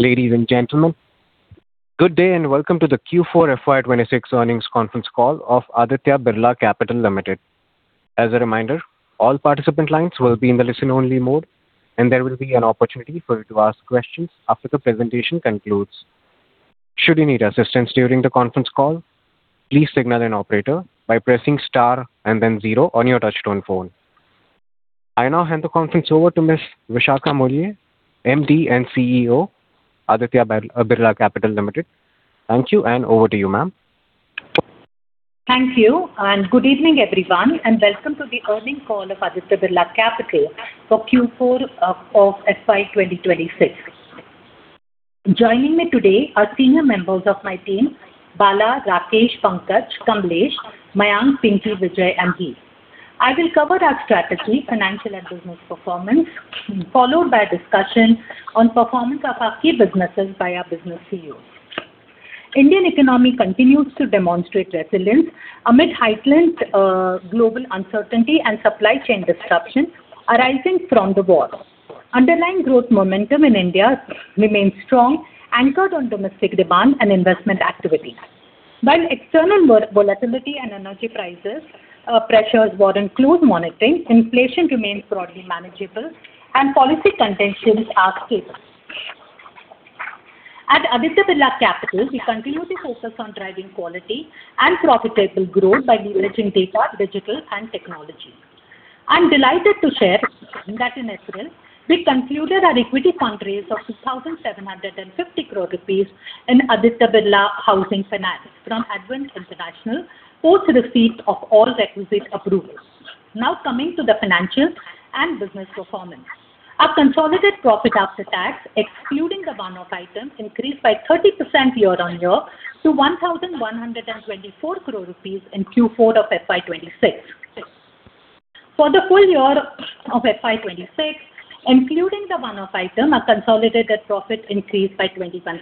Ladies and gentlemen, good day, welcome to the Q4 FY 2026 earnings conference call of Aditya Birla Capital Limited. As a reminder, all participant lines will be in the listen-only mode. There will be an opportunity for you to ask questions after the presentation concludes. Should you need assistance during the conference call, please signal an operator by pressing star and then zero on your touchtone phone. I now hand the conference over to Ms. Vishakha Mulye, MD and CEO, Aditya Birla Capital Limited. Thank you. Over to you, ma'am. Thank you, good evening, everyone, and welcome to the earnings call of Aditya Birla Capital for Q4 of FY 2026. Joining me today are senior members of my team, Bala, Rakesh, Pankaj, Kamlesh, Mayank, Pinky, Vijay, and Hitesh. I will cover our strategy, financial and business performance, followed by a discussion on performance of our key businesses by our business CEOs. Indian economy continues to demonstrate resilience amid heightened global uncertainty and supply chain disruptions arising from the war. Underlying growth momentum in India remains strong, anchored on domestic demand and investment activity. While external volatility and energy prices pressures warrant close monitoring, inflation remains broadly manageable and policy contentions are stable. At Aditya Birla Capital, we continue to focus on driving quality and profitable growth by leveraging data, digital and technology. I'm delighted to share that in April, we concluded our equity fundraise of 2,750 crore rupees in Aditya Birla Housing Finance from Advent International post receipt of all requisite approvals. Now coming to the financial and business performance. Our consolidated profit after tax, excluding the one-off items, increased by 30% year-on-year to 1,124 crore rupees in Q4 of FY 2026. For the full year of FY 2026, including the one-off item, our consolidated profit increased by 21%.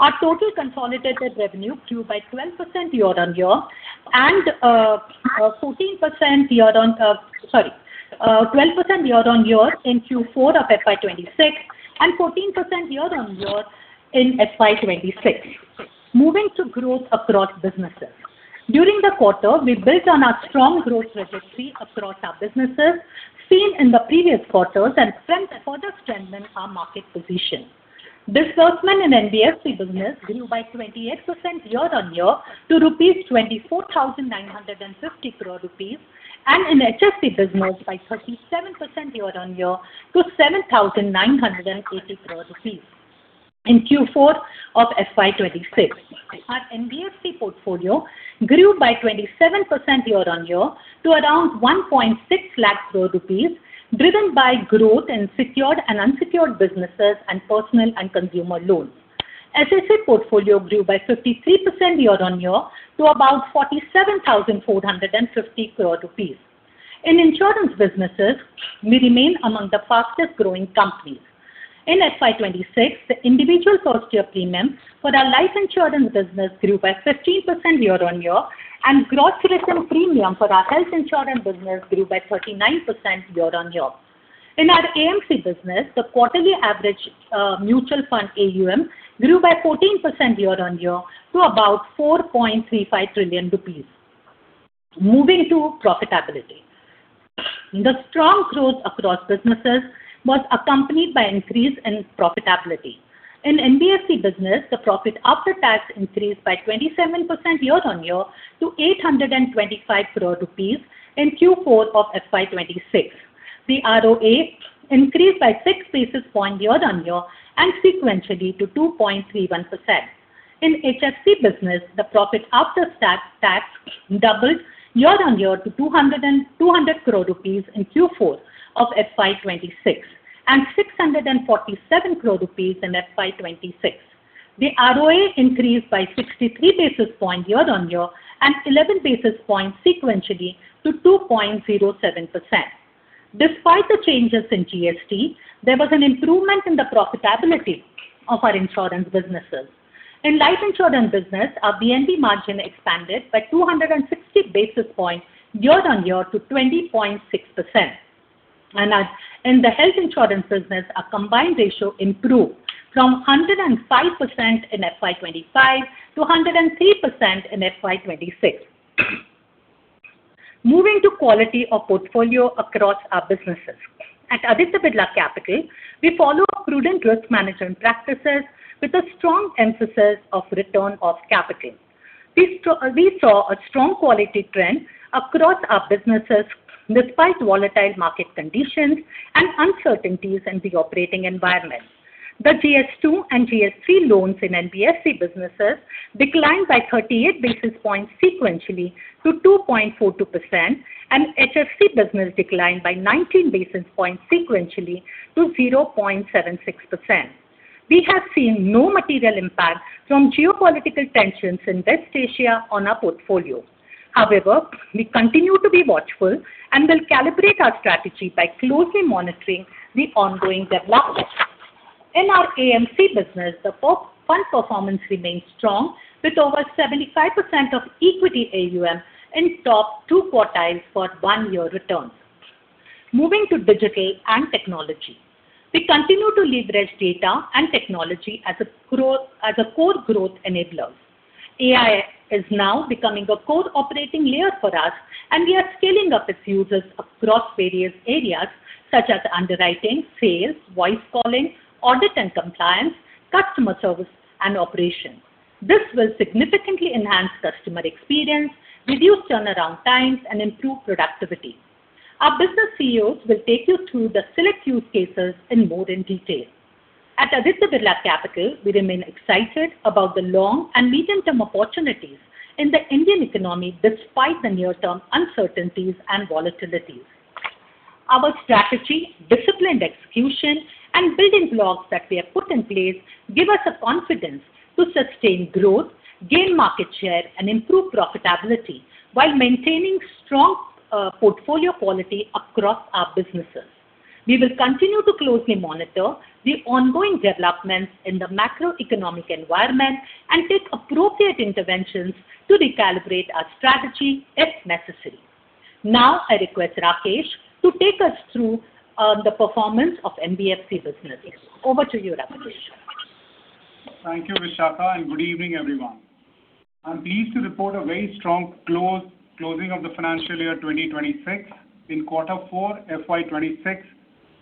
Our total consolidated revenue grew by. Sorry, 12% year-on-year in Q4 of FY 2026 and 14% year-on-year in FY 2026. Moving to growth across businesses. During the quarter, we built on our strong growth trajectory across our businesses seen in the previous quarters and further strengthened our market position. Disbursement in NBFC business grew by 28% year-on-year to 24,950 crore rupees and in HFC business by 37% year-on-year to 7,980 crore rupees in Q4 of FY 2026. Our NBFC portfolio grew by 27% year-on-year to around 1.6 lakh crore rupees, driven by growth in secured and unsecured businesses and personal and consumer loans. HFC portfolio grew by 53% year-on-year to about 47,450 crore rupees. In insurance businesses, we remain among the fastest-growing companies. In FY 2026, the individual first year premium for our life insurance business grew by 15% year-on-year, and gross written premium for our health insurance business grew by 39% year-on-year. In our AMC business, the quarterly average mutual fund AUM grew by 14% year-on-year to about 4.35 trillion rupees. Moving to profitability. The strong growth across businesses was accompanied by increase in profitability. In NBFC business, the profit after tax increased by 27% year-on-year to 825 crore rupees in Q4 of FY 2026. The ROA increased by 6 basis points year-on-year and sequentially to 2.31%. In HFC business, the profit after tax doubled year-on-year to 200 crore rupees in Q4 of FY 2026, and 647 crore rupees in FY 2026. The ROA increased by 63 basis points year-on-year and 11 basis points sequentially to 2.07%. Despite the changes in GST, there was an improvement in the profitability of our insurance businesses. In life insurance business, our VNB margin expanded by 260 basis points year-on-year to 20.6%. In the health insurance business, our combined ratio improved from 105% in FY 2025 to 103% in FY 2026. Moving to quality of portfolio across our businesses. At Aditya Birla Capital, we follow prudent risk management practices with a strong emphasis of return of capital. We saw a strong quality trend across our businesses despite volatile market conditions and uncertainties in the operating environment. The GS2 and GS3 loans in NBFC businesses declined by 38 basis points sequentially to 2.42%, and HFC business declined by 19 basis points sequentially to 0.76%. We have seen no material impact from geopolitical tensions in West Asia on our portfolio. However, we continue to be watchful and will calibrate our strategy by closely monitoring the ongoing developments. In our AMC business, the fund performance remains strong with over 75% of equity AUM in top two quartiles for one-year returns. Moving to digital and technology. We continue to leverage data and technology as a core growth enabler. AI is now becoming a core operating layer for us, and we are scaling up its uses across various areas such as underwriting, sales, voice calling, audit and compliance, customer service and operations. This will significantly enhance customer experience, reduce turnaround times, and improve productivity. Our business CEOs will take you through the select use cases in more detail. At Aditya Birla Capital, we remain excited about the long and medium-term opportunities in the Indian economy despite the near-term uncertainties and volatilities. Our strategy, disciplined execution, and building blocks that we have put in place give us the confidence to sustain growth, gain market share, and improve profitability while maintaining strong portfolio quality across our businesses. We will continue to closely monitor the ongoing developments in the macroeconomic environment and take appropriate interventions to recalibrate our strategy if necessary. Now, I request Rakesh to take us through the performance of NBFC businesses. Over to you, Rakesh. Thank you, Vishakha. Good evening, everyone. I'm pleased to report a very strong close-closing of the financial year 2026. In quarter four FY 2026,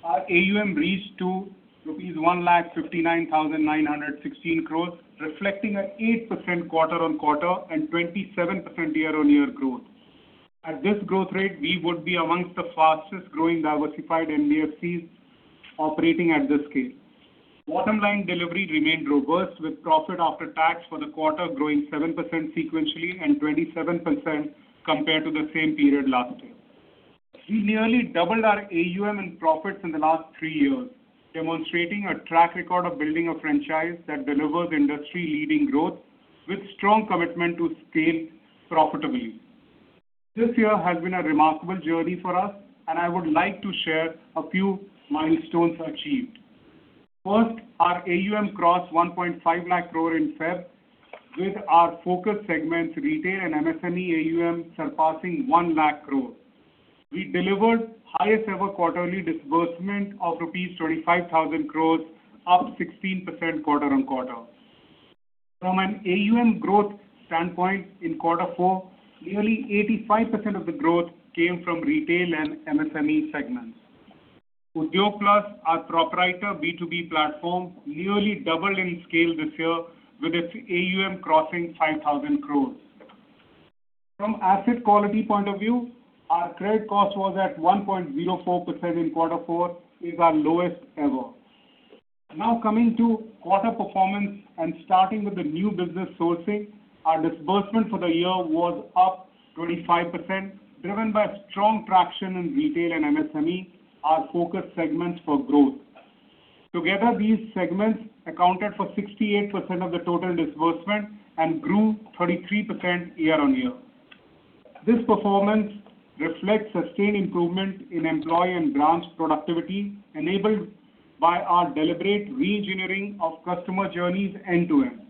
our AUM reached to rupees 159,916 crores, reflecting an 8% quarter-on-quarter and 27% year-on-year growth. At this growth rate, we would be amongst the fastest growing diversified NBFCs operating at this scale. Bottom line delivery remained robust with profit after tax for the quarter growing 7% sequentially and 27% compared to the same period last year. We nearly doubled our AUM and profits in the last three years, demonstrating a track record of building a franchise that delivers industry-leading growth with strong commitment to scale profitably. This year has been a remarkable journey for us. I would like to share a few milestones achieved. First, our AUM crossed 1.5 lakh crore in Feb, with our focus segments, retail and MSME AUM surpassing 1 lakh crore. We delivered highest ever quarterly disbursement of rupees 25,000 crore, up 16% quarter-on-quarter. From an AUM growth standpoint in quarter four, nearly 85% of the growth came from retail and MSME segments. Udyog Plus, our proprietor B2B platform, nearly doubled in scale this year with its AUM crossing 5,000 crore. From asset quality point of view, our credit cost was at 1.04% in quarter four, is our lowest ever. Now coming to quarter performance and starting with the new business sourcing, our disbursement for the year was up 25%, driven by strong traction in retail and MSME, our focus segments for growth. Together, these segments accounted for 68% of the total disbursement and grew 33% year-on-year. This performance reflects sustained improvement in employee and grants productivity enabled by our deliberate reengineering of customer journeys end to end.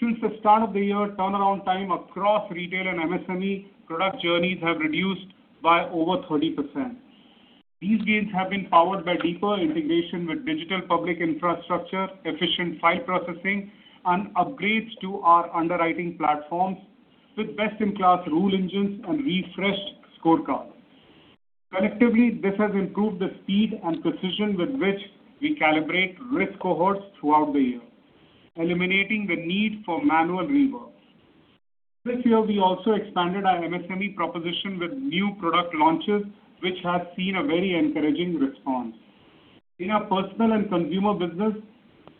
Since the start of the year, turnaround time across retail and MSME product journeys have reduced by over 30%. These gains have been powered by deeper integration with digital public infrastructure, efficient file processing, and upgrades to our underwriting platforms with best-in-class rule engines and refreshed scorecards. Collectively, this has improved the speed and precision with which we calibrate risk cohorts throughout the year, eliminating the need for manual rework. This year, we also expanded our MSME proposition with new product launches, which has seen a very encouraging response. In our personal and consumer business,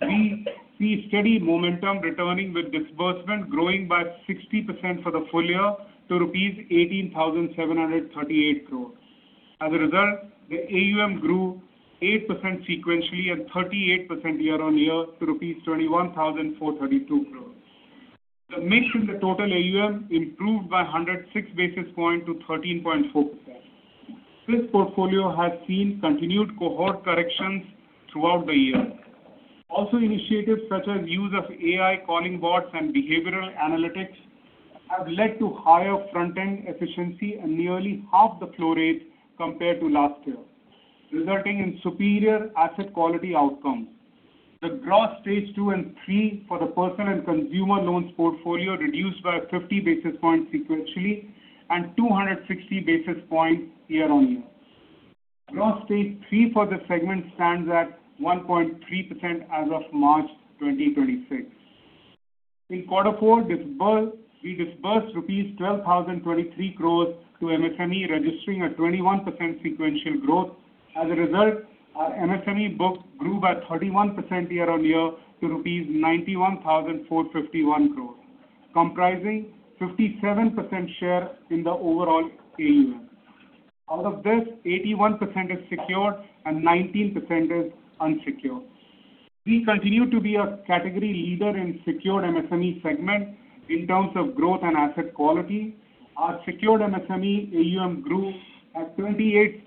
we see steady momentum returning with disbursement growing by 60% for the full year to rupees 18,738 crores. As a result, the AUM grew 8% sequentially and 38% year-on-year to rupees 21,432 crores. The mix in the total AUM improved by 106 basis points to 13.4%. This portfolio has seen continued cohort corrections throughout the year. Also initiatives such as use of AI calling bots and behavioral analytics have led to higher front-end efficiency and nearly half the flow rate compared to last year, resulting in superior asset quality outcomes. The gross Stage 2 and 3 for the personal and consumer loans portfolio reduced by 50 basis points sequentially and 260 basis points year-on-year. Gross Stage 3 for this segment stands at 1.3% as of March 2026. In quarter 4, we disbursed rupees 12,023 crores to MSME, registering a 21% sequential growth. As a result, our MSME book grew by 31% year-on-year to rupees 91,451 crores, comprising 57% share in the overall AUM. Out of this, 81% is secured and 19% is unsecured. We continue to be a category leader in secured MSME segment in terms of growth and asset quality. Our secured MSME AUM grew at 27%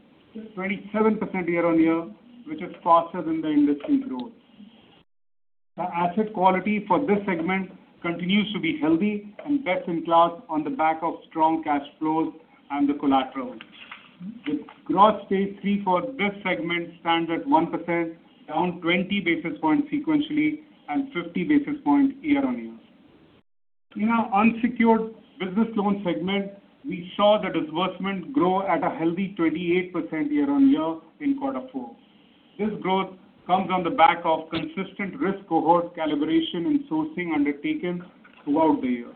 year-on-year, which is faster than the industry growth. The asset quality for this segment continues to be healthy and best in class on the back of strong cash flows and the collateral. The gross Stage 3 for this segment stands at 1%, down 20 basis points sequentially and 50 basis points year-on-year. In our unsecured business loan segment, we saw the disbursement grow at a healthy 28% year-on-year in Q4. This growth comes on the back of consistent risk cohort calibration and sourcing undertaken throughout the year.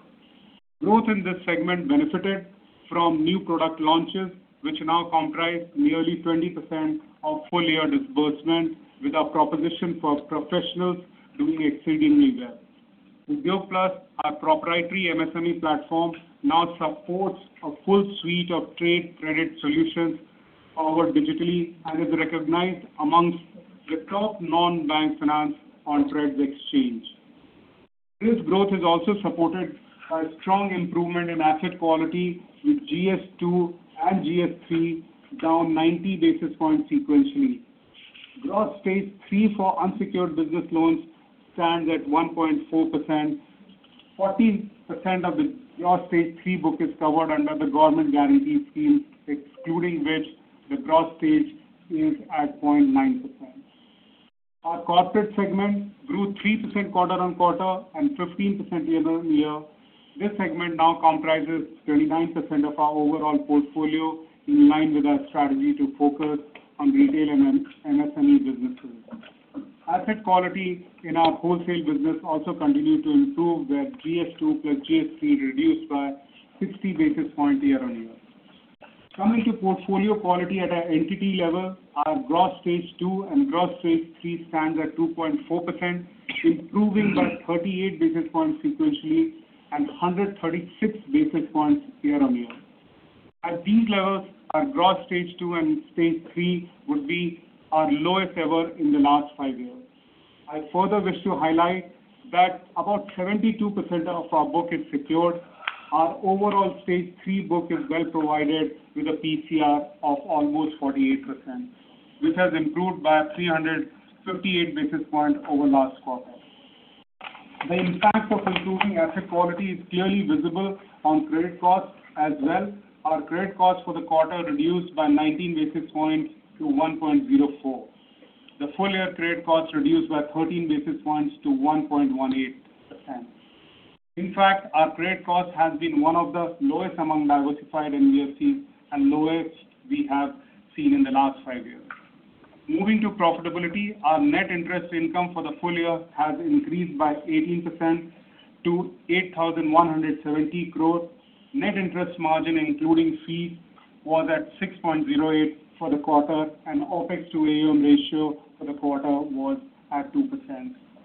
Growth in this segment benefited from new product launches, which now comprise nearly 20% of full year disbursement with our proposition for professionals doing exceedingly well. The Udyog Plus, our proprietary MSME platform, now supports a full suite of trade credit solutions offered digitally and is recognized amongst the top non-bank finance on trades exchange. This growth has also supported a strong improvement in asset quality with GS2 and GS3 down 90 basis points sequentially. Gross Stage 3 for unsecured business loans stands at 1.4%. 14% of the gross Stage 3 book is covered under the government guarantee scheme, excluding which the gross stage is at 0.9%. Our corporate segment grew 3% quarter-on-quarter and 15% year-on-year. This segment now comprises 39% of our overall portfolio in line with our strategy to focus on retail and MSME businesses. Asset quality in our wholesale business also continued to improve, with GS 2+GS 3 reduced by 60 basis points year-on-year. Coming to portfolio quality at an entity level, our gross Stage 2 and gross Stage 3 stands at 2.4%, improving by 38 basis points sequentially and 136 basis points year-on-year. At these levels, our gross Stage 2 and Stage 3 would be our lowest ever in the last 5 years. I further wish to highlight that about 72% of our book is secured. Our overall Stage 3 book is well provided with a PCR of almost 48%, which has improved by 358 basis points over last quarter. The impact of improving asset quality is clearly visible on credit costs as well. Our credit costs for the quarter reduced by 19 basis points to 1.04. The full year credit cost reduced by 13 basis points to 1.18%. In fact, our credit cost has been one of the lowest among diversified NBFC and lowest we have seen in the last 5 years. Moving to profitability, our net interest income for the full year has increased by 18% to 8,170 crores. Net interest margin, including fees, was at 6.08% for the quarter and OpEx to AUM ratio for the quarter was at 2%.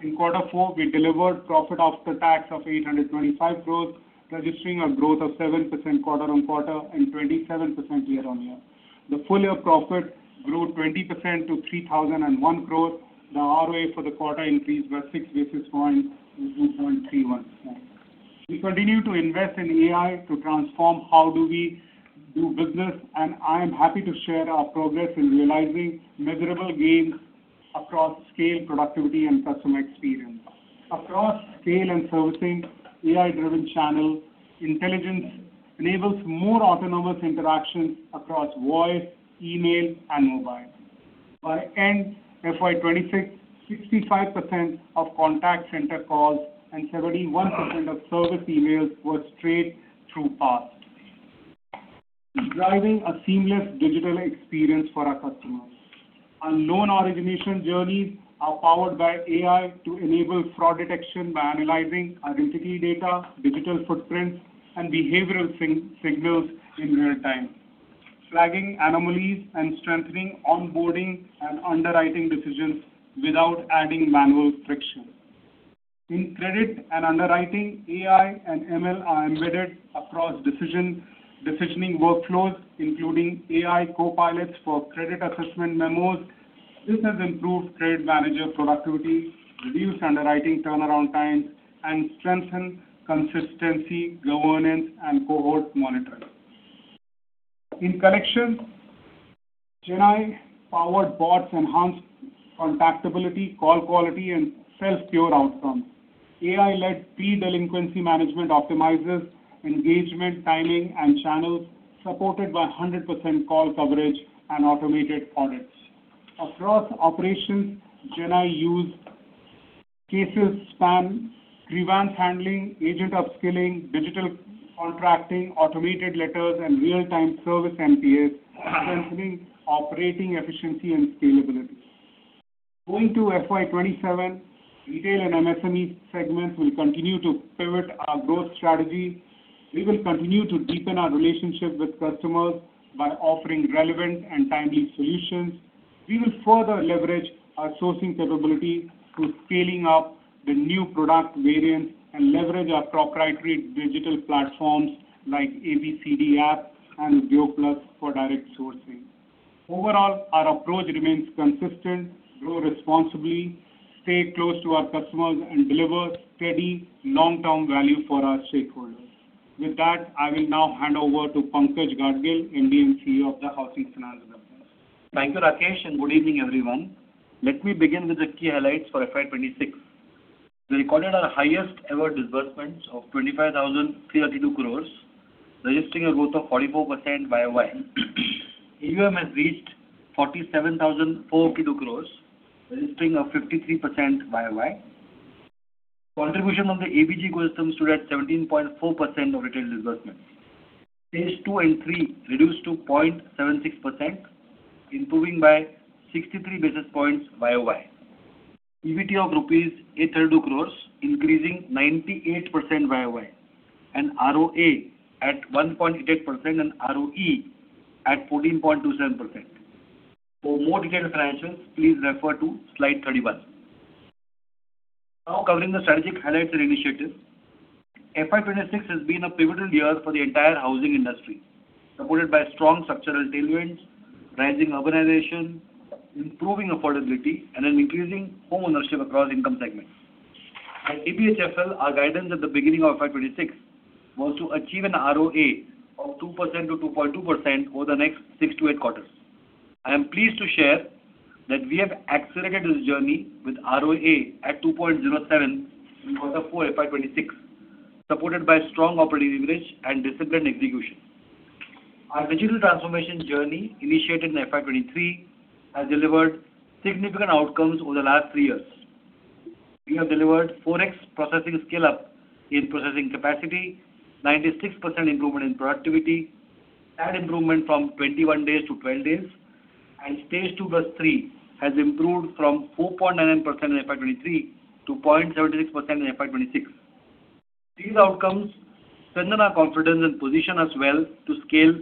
In quarter four, we delivered profit after tax of 825 crores, registering a growth of 7% quarter-on-quarter and 27% year-on-year. The full year profit grew 20% to 3,001 crores. The ROA for the quarter increased by 6 basis points to 2.31%. We continue to invest in AI to transform how do we do business, and I am happy to share our progress in realizing measurable gains across scale, productivity and customer experience. Across scale and servicing, AI-driven channel intelligence enables more autonomous interactions across voice, email, and mobile. By end FY 2026, 65% of contact center calls and 71% of service emails were straight-through paths, driving a seamless digital experience for our customers. Our loan origination journeys are powered by AI to enable fraud detection by analyzing identity data, digital footprints and behavioral signals in real-time, flagging anomalies and strengthening onboarding and underwriting decisions without adding manual friction. In credit and underwriting, AI and ML are embedded across decisioning workflows, including AI copilots for credit assessment memos. This has improved credit manager productivity, reduced underwriting turnaround times, and strengthened consistency, governance, and cohort monitoring. In collections, GenAI-powered bots enhance contactability, call quality, and self-cure outcomes. AI-led pre-delinquency management optimizes engagement, timing, and channels supported by 100% call coverage and automated audits. Across operations, GenAI use cases span grievance handling, agent upskilling, digital contracting, automated letters, and real-time service MPAs, strengthening operating efficiency and scalability. Going to FY 2027, retail and MSME segments will continue to pivot our growth strategy. We will continue to deepen our relationship with customers by offering relevant and timely solutions. We will further leverage our sourcing capability through scaling up the new product variants and leverage our proprietary digital platforms like ABCD app and Udyog Plus for direct sourcing. Overall, our approach remains consistent, grow responsibly, stay close to our customers and deliver steady long-term value for our stakeholders. With that, I will now hand over to Pankaj Gadgil, Managing Director and Chief Executive Officer of the Aditya Birla Housing Finance Ltd. Thank you, Rakesh, and good evening, everyone. Let me begin with the key highlights for FY 2026. We recorded our highest ever disbursements of 25,332 crores, registering a growth of 44% year-on-year. AUM has reached 47,452 crores, registering a 53% year-on-year. Contribution of the ABG Group stands today at 17.4% of retail disbursement. Stage 2 and 3 reduced to 0.76%, improving by 63 basis points year-on-year. EBT of INR 832 crores, increasing 98% year-on-year, and ROA at 1.88% and ROE at 14.27%. For more detailed financials, please refer to slide 31. Now covering the strategic highlights and initiatives. FY 2026 has been a pivotal year for the entire housing industry, supported by strong structural tailwinds, rising urbanization, improving affordability, and an increasing homeownership across income segments. At ABHFL, our guidance at the beginning of FY 2026 was to achieve an ROA of 2% to 2.2% over the next 6 to 8 quarters. I am pleased to share that we have accelerated this journey with ROA at 2.07 in quarter 4 FY 2026, supported by strong operating leverage and disciplined execution. Our digital transformation journey, initiated in FY 2023, has delivered significant outcomes over the last three years. We have delivered 4x processing scale-up in processing capacity, 96% improvement in productivity, CAD improvement from 21 days to 12 days, and Stage 2+ Stage 3 has improved from 4.99% in FY 2023 to 0.76% in FY 2026. These outcomes strengthen our confidence and position as well to scale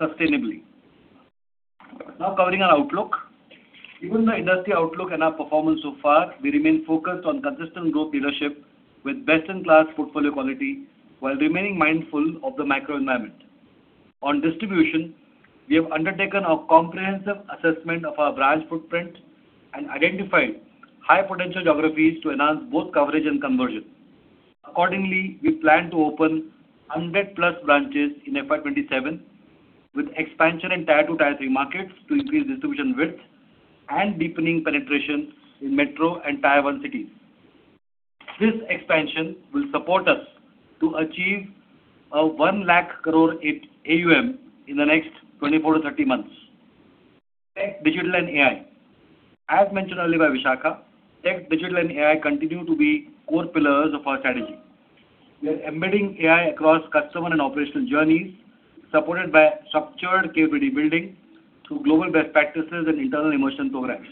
sustainably. Now covering our outlook. Given the industry outlook and our performance so far, we remain focused on consistent growth leadership with best-in-class portfolio quality while remaining mindful of the macro environment. On distribution, we have undertaken a comprehensive assessment of our branch footprint and identified high potential geographies to enhance both coverage and conversion. Accordingly, we plan to open 100+ branches in FY 2027 with expansion in Tier 2, Tier 3 markets to increase distribution width and deepening penetration in metro and Tier 1 cities. This expansion will support us to achieve a 1 lakh crore AUM in the next 24 to 30 months. Tech, digital and AI. As mentioned earlier by Vishakha, tech, digital and AI continue to be core pillars of our strategy. We are embedding AI across customer and operational journeys, supported by structured capability building through global best practices and internal immersion programs.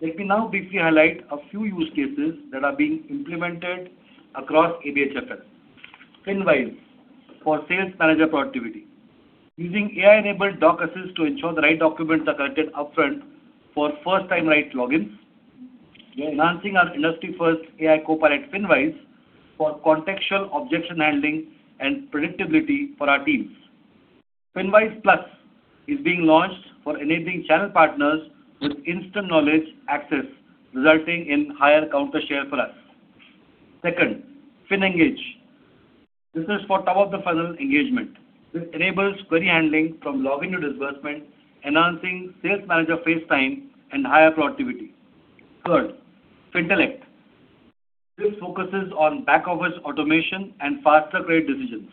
Let me now briefly highlight a few use cases that are being implemented across ABHFL. FinWise for sales manager productivity. Using AI-enabled doc assist to ensure the right documents are collected upfront for first-time right logins. Enhancing our industry-first AI copilot FinWise for contextual objection handling and predictability for our teams. FinWise Plus is being launched for enabling channel partners with instant knowledge access, resulting in higher counter share for us. Second, FinEngage. This is for top-of-the-funnel engagement. This enables query handling from login to disbursement, enhancing sales manager face time and higher productivity. Third, Fintellect. This focuses on back office automation and faster credit decisions.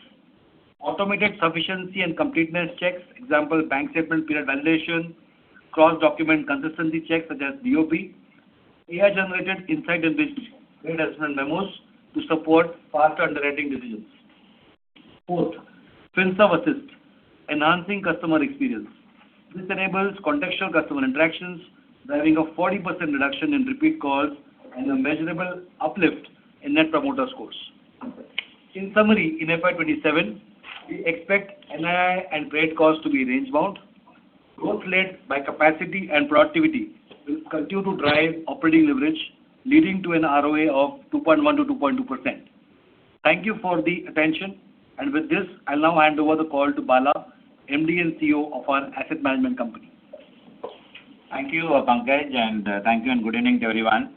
Automated sufficiency and completeness checks, example, bank statement period validation, cross-document consistency checks such as BOP, AI-generated insight and business credit assessment memos to support faster underwriting decisions. Fourth, FinServ Assist, enhancing customer experience. This enables contextual customer interactions, driving a 40% reduction in repeat calls and a measurable uplift in Net Promoter Score. In summary, in FY 2027, we expect NII and credit costs to be range bound. Growth led by capacity and productivity will continue to drive operating leverage, leading to an ROA of 2.1%-2.2%. Thank you for the attention. With this, I'll now hand over the call to Bala, MD and CEO of our asset management company. Thank you, Pankaj, and thank you and good evening to everyone.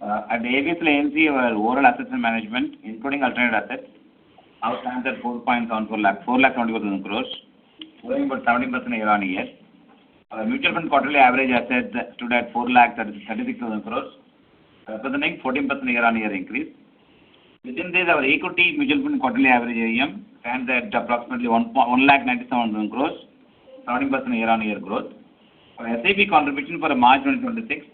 At the ABSL AMC, our overall asset management, including alternate assets, outstand at INR 421 crores, growing about 17% year-on-year. Our mutual fund quarterly average assets stood at 433,000 crores, representing 14% year-on-year increase. Within this, our equity mutual fund quarterly average AUM stands at approximately INR 197,000 crores, 17% year-on-year growth. Our SIP contribution for March 2026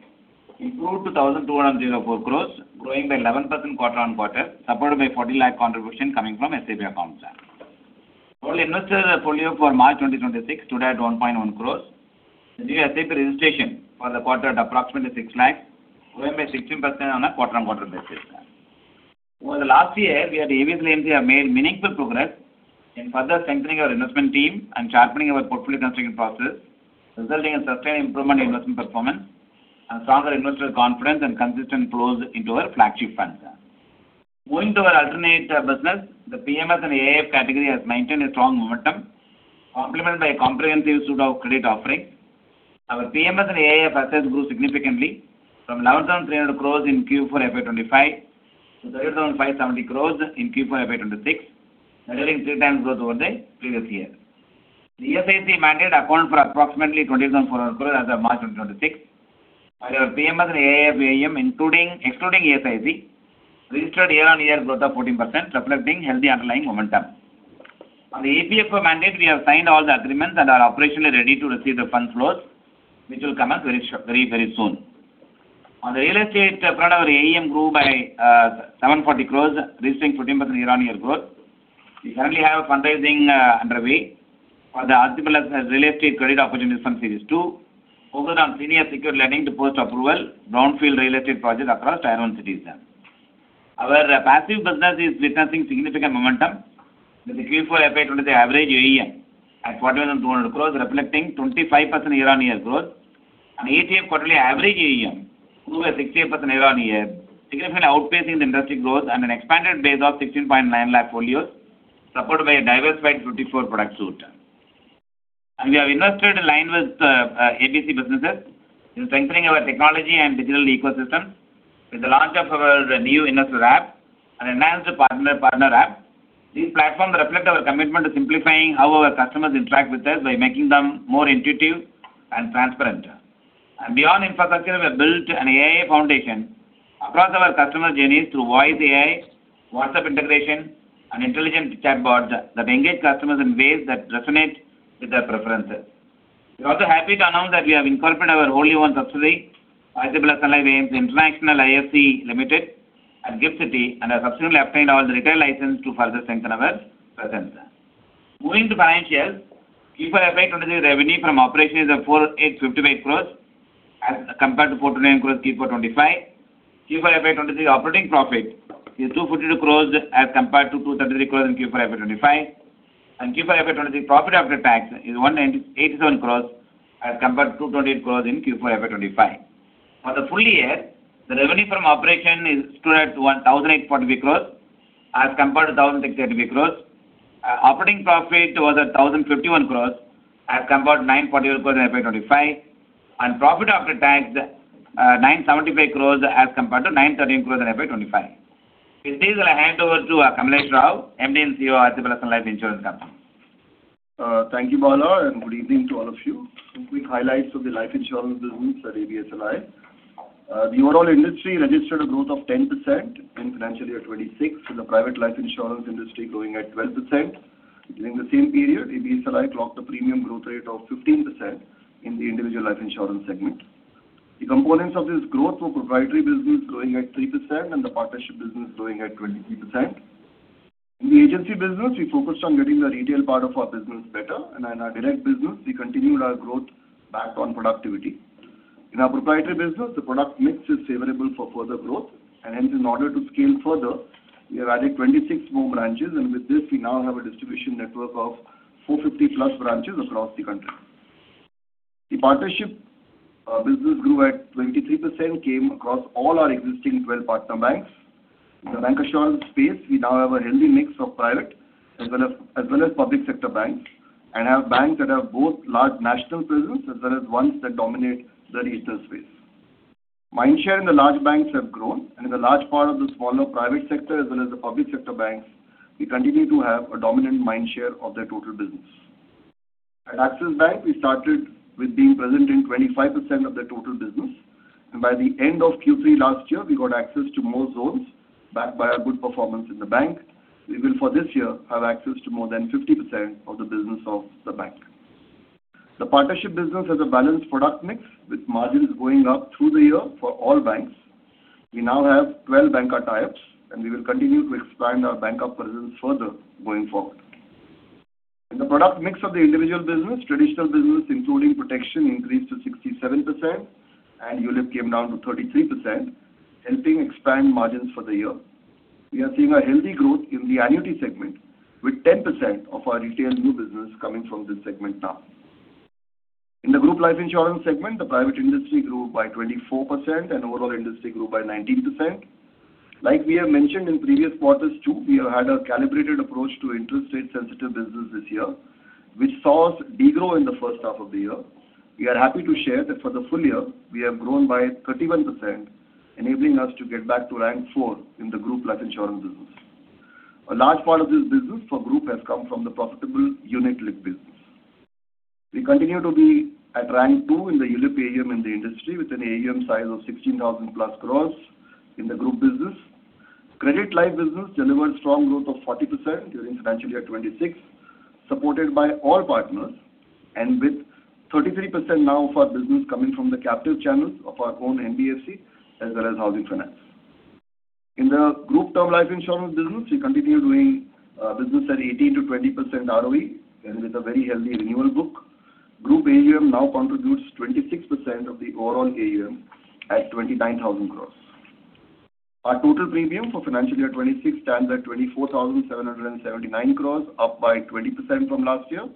improved to 1,204 crores, growing by 11% quarter on quarter, supported by 40 lakh contribution coming from SIP accounts. Total investor folio for March 2026 stood at 1.1 crores. The new SIP registration for the quarter at approximately 6 lakh, growing by 16% on a quarter-on-quarter basis. Over the last year, we at ABSL AMC have made meaningful progress in further strengthening our investment team and sharpening our portfolio construction process, resulting in sustained improvement in investment performance and stronger investor confidence and consistent flows into our flagship funds. Moving to our alternate business, the PMS and AIF category has maintained a strong momentum, complemented by a comprehensive suite of credit offerings. Our PMS and AIF assets grew significantly from 11,300 crores in Q4 FY 2025. That is around INR 570 crores in Q4 FY 2026, representing 3 times growth over the previous year. The ESIC mandate account for approximately 27.4 crores as of March 2026. Our PMS and AIF AUM excluding ESIC registered year-on-year growth of 14%, reflecting healthy underlying momentum. On the APF mandate, we have signed all the agreements and are operationally ready to receive the fund flows, which will come up very, very soon. On the real estate front, our AUM grew by 740 crores, registering 14% year-on-year growth. We currently have a fundraising underway for the ABSL Real Estate Credit Opportunity Fund Series 2, focused on senior secured lending to post-approval brownfield real estate projects across tier 1 cities. Our passive business is witnessing significant momentum with the Q4 FY 2023 average AUM at 14,200 crores, reflecting 25% year-on-year growth. ATF quarterly average AUM grew at 60% year-on-year, significantly outpacing the industry growth and an expanded base of 16.9 lakh folios, supported by a diversified 54 product suite. We have invested in line with ABC businesses in strengthening our technology and digital ecosystem with the launch of our new investor app and enhanced partner app. These platforms reflect our commitment to simplifying how our customers interact with us by making them more intuitive and transparent. Beyond infrastructure, we have built an AI foundation across our customer journeys through voice AI, WhatsApp integration, and intelligent chatbot that engage customers in ways that resonate with their preferences. We're also happy to announce that we have incorporated our wholly-owned subsidiary, ABSL Ventures International IFSC Limited at GIFT City, and have subsequently obtained all the required license to further strengthen our presence. Moving to financials, Q4 FY 2023 revenue from operations are 4,858 crores as compared to 429 crores Q4 2025. Q4 FY 2023 operating profit is 252 crores as compared to 230 crores in Q4 FY 2025. Q4 FY 2023 profit after tax is 87 crores as compared to 228 crores in Q4 FY 2025. For the full year, the revenue from operation is stood at 1,843 crores as compared to 1,633 crores. Operating profit was at 1,051 crores as compared to 941 crores in FY 2025. Profit after tax, 975 crores as compared to 913 crores in FY 2025. With this I'll hand over to Kamlesh Rao, MD and CEO, Aditya Birla Sun Life Insurance Company. Thank you, Bala, good evening to all of you. Some quick highlights of the life insurance business at ABSL. The overall industry registered a growth of 10% in financial year 2026, with the private life insurance industry growing at 12%. During the same period, ABSL clocked a premium growth rate of 15% in the individual life insurance segment. The components of this growth were proprietary business growing at 3% and the partnership business growing at 23%. In the agency business, we focused on getting the retail part of our business better, in our direct business, we continued our growth backed on productivity. In our proprietary business, the product mix is favorable for further growth, and hence in order to scale further, we have added 26 more branches, and with this, we now have a distribution network of 450+ branches across the country. The partnership business grew at 23% CAGR across all our existing 12 partner banks. In the bancassurance space, we now have a healthy mix of private as well as public sector banks, and have banks that have both large national presence as well as ones that dominate the regional space. Mindshare in the large banks have grown, and in the large part of the smaller private sector as well as the public sector banks, we continue to have a dominant mindshare of their total business. At Axis Bank, we started with being present in 25% of their total business, and by the end of Q3 last year, we got access to more zones backed by our good performance in the bank. We will, for this year, have access to more than 50% of the business of the bank. The partnership business has a balanced product mix with margins going up through the year for all banks. We now have 12 banker tie-ups, and we will continue to expand our banker presence further going forward. In the product mix of the individual business, traditional business including protection increased to 67% and ULIP came down to 33%, helping expand margins for the year. We are seeing a healthy growth in the annuity segment with 10% of our retail new business coming from this segment now. In the group life insurance segment, the private industry grew by 24% and overall industry grew by 19%. Like we have mentioned in previous quarters too, we have had a calibrated approach to interest rate sensitive business this year, which saw us degrow in the first half of the year. We are happy to share that for the full year we have grown by 31%, enabling us to get back to rank 4 in the group life insurance business. A large part of this business for group has come from the profitable unit-linked business. We continue to be at rank 2 in the ULIP AUM in the industry with an AUM size of 16,000+ crores in the group business. Credit life business delivered strong growth of 40% during FY 2026, supported by all partners and with 33% now of our business coming from the captive channels of our own NBFC as well as housing finance. In the group term life insurance business, we continue doing business at 18%-20% ROE and with a very healthy renewal book. Group AUM now contributes 26% of the overall AUM at 29,000 crores. Our total premium for FY 2026 stands at 24,779 crores, up by 20% from last year.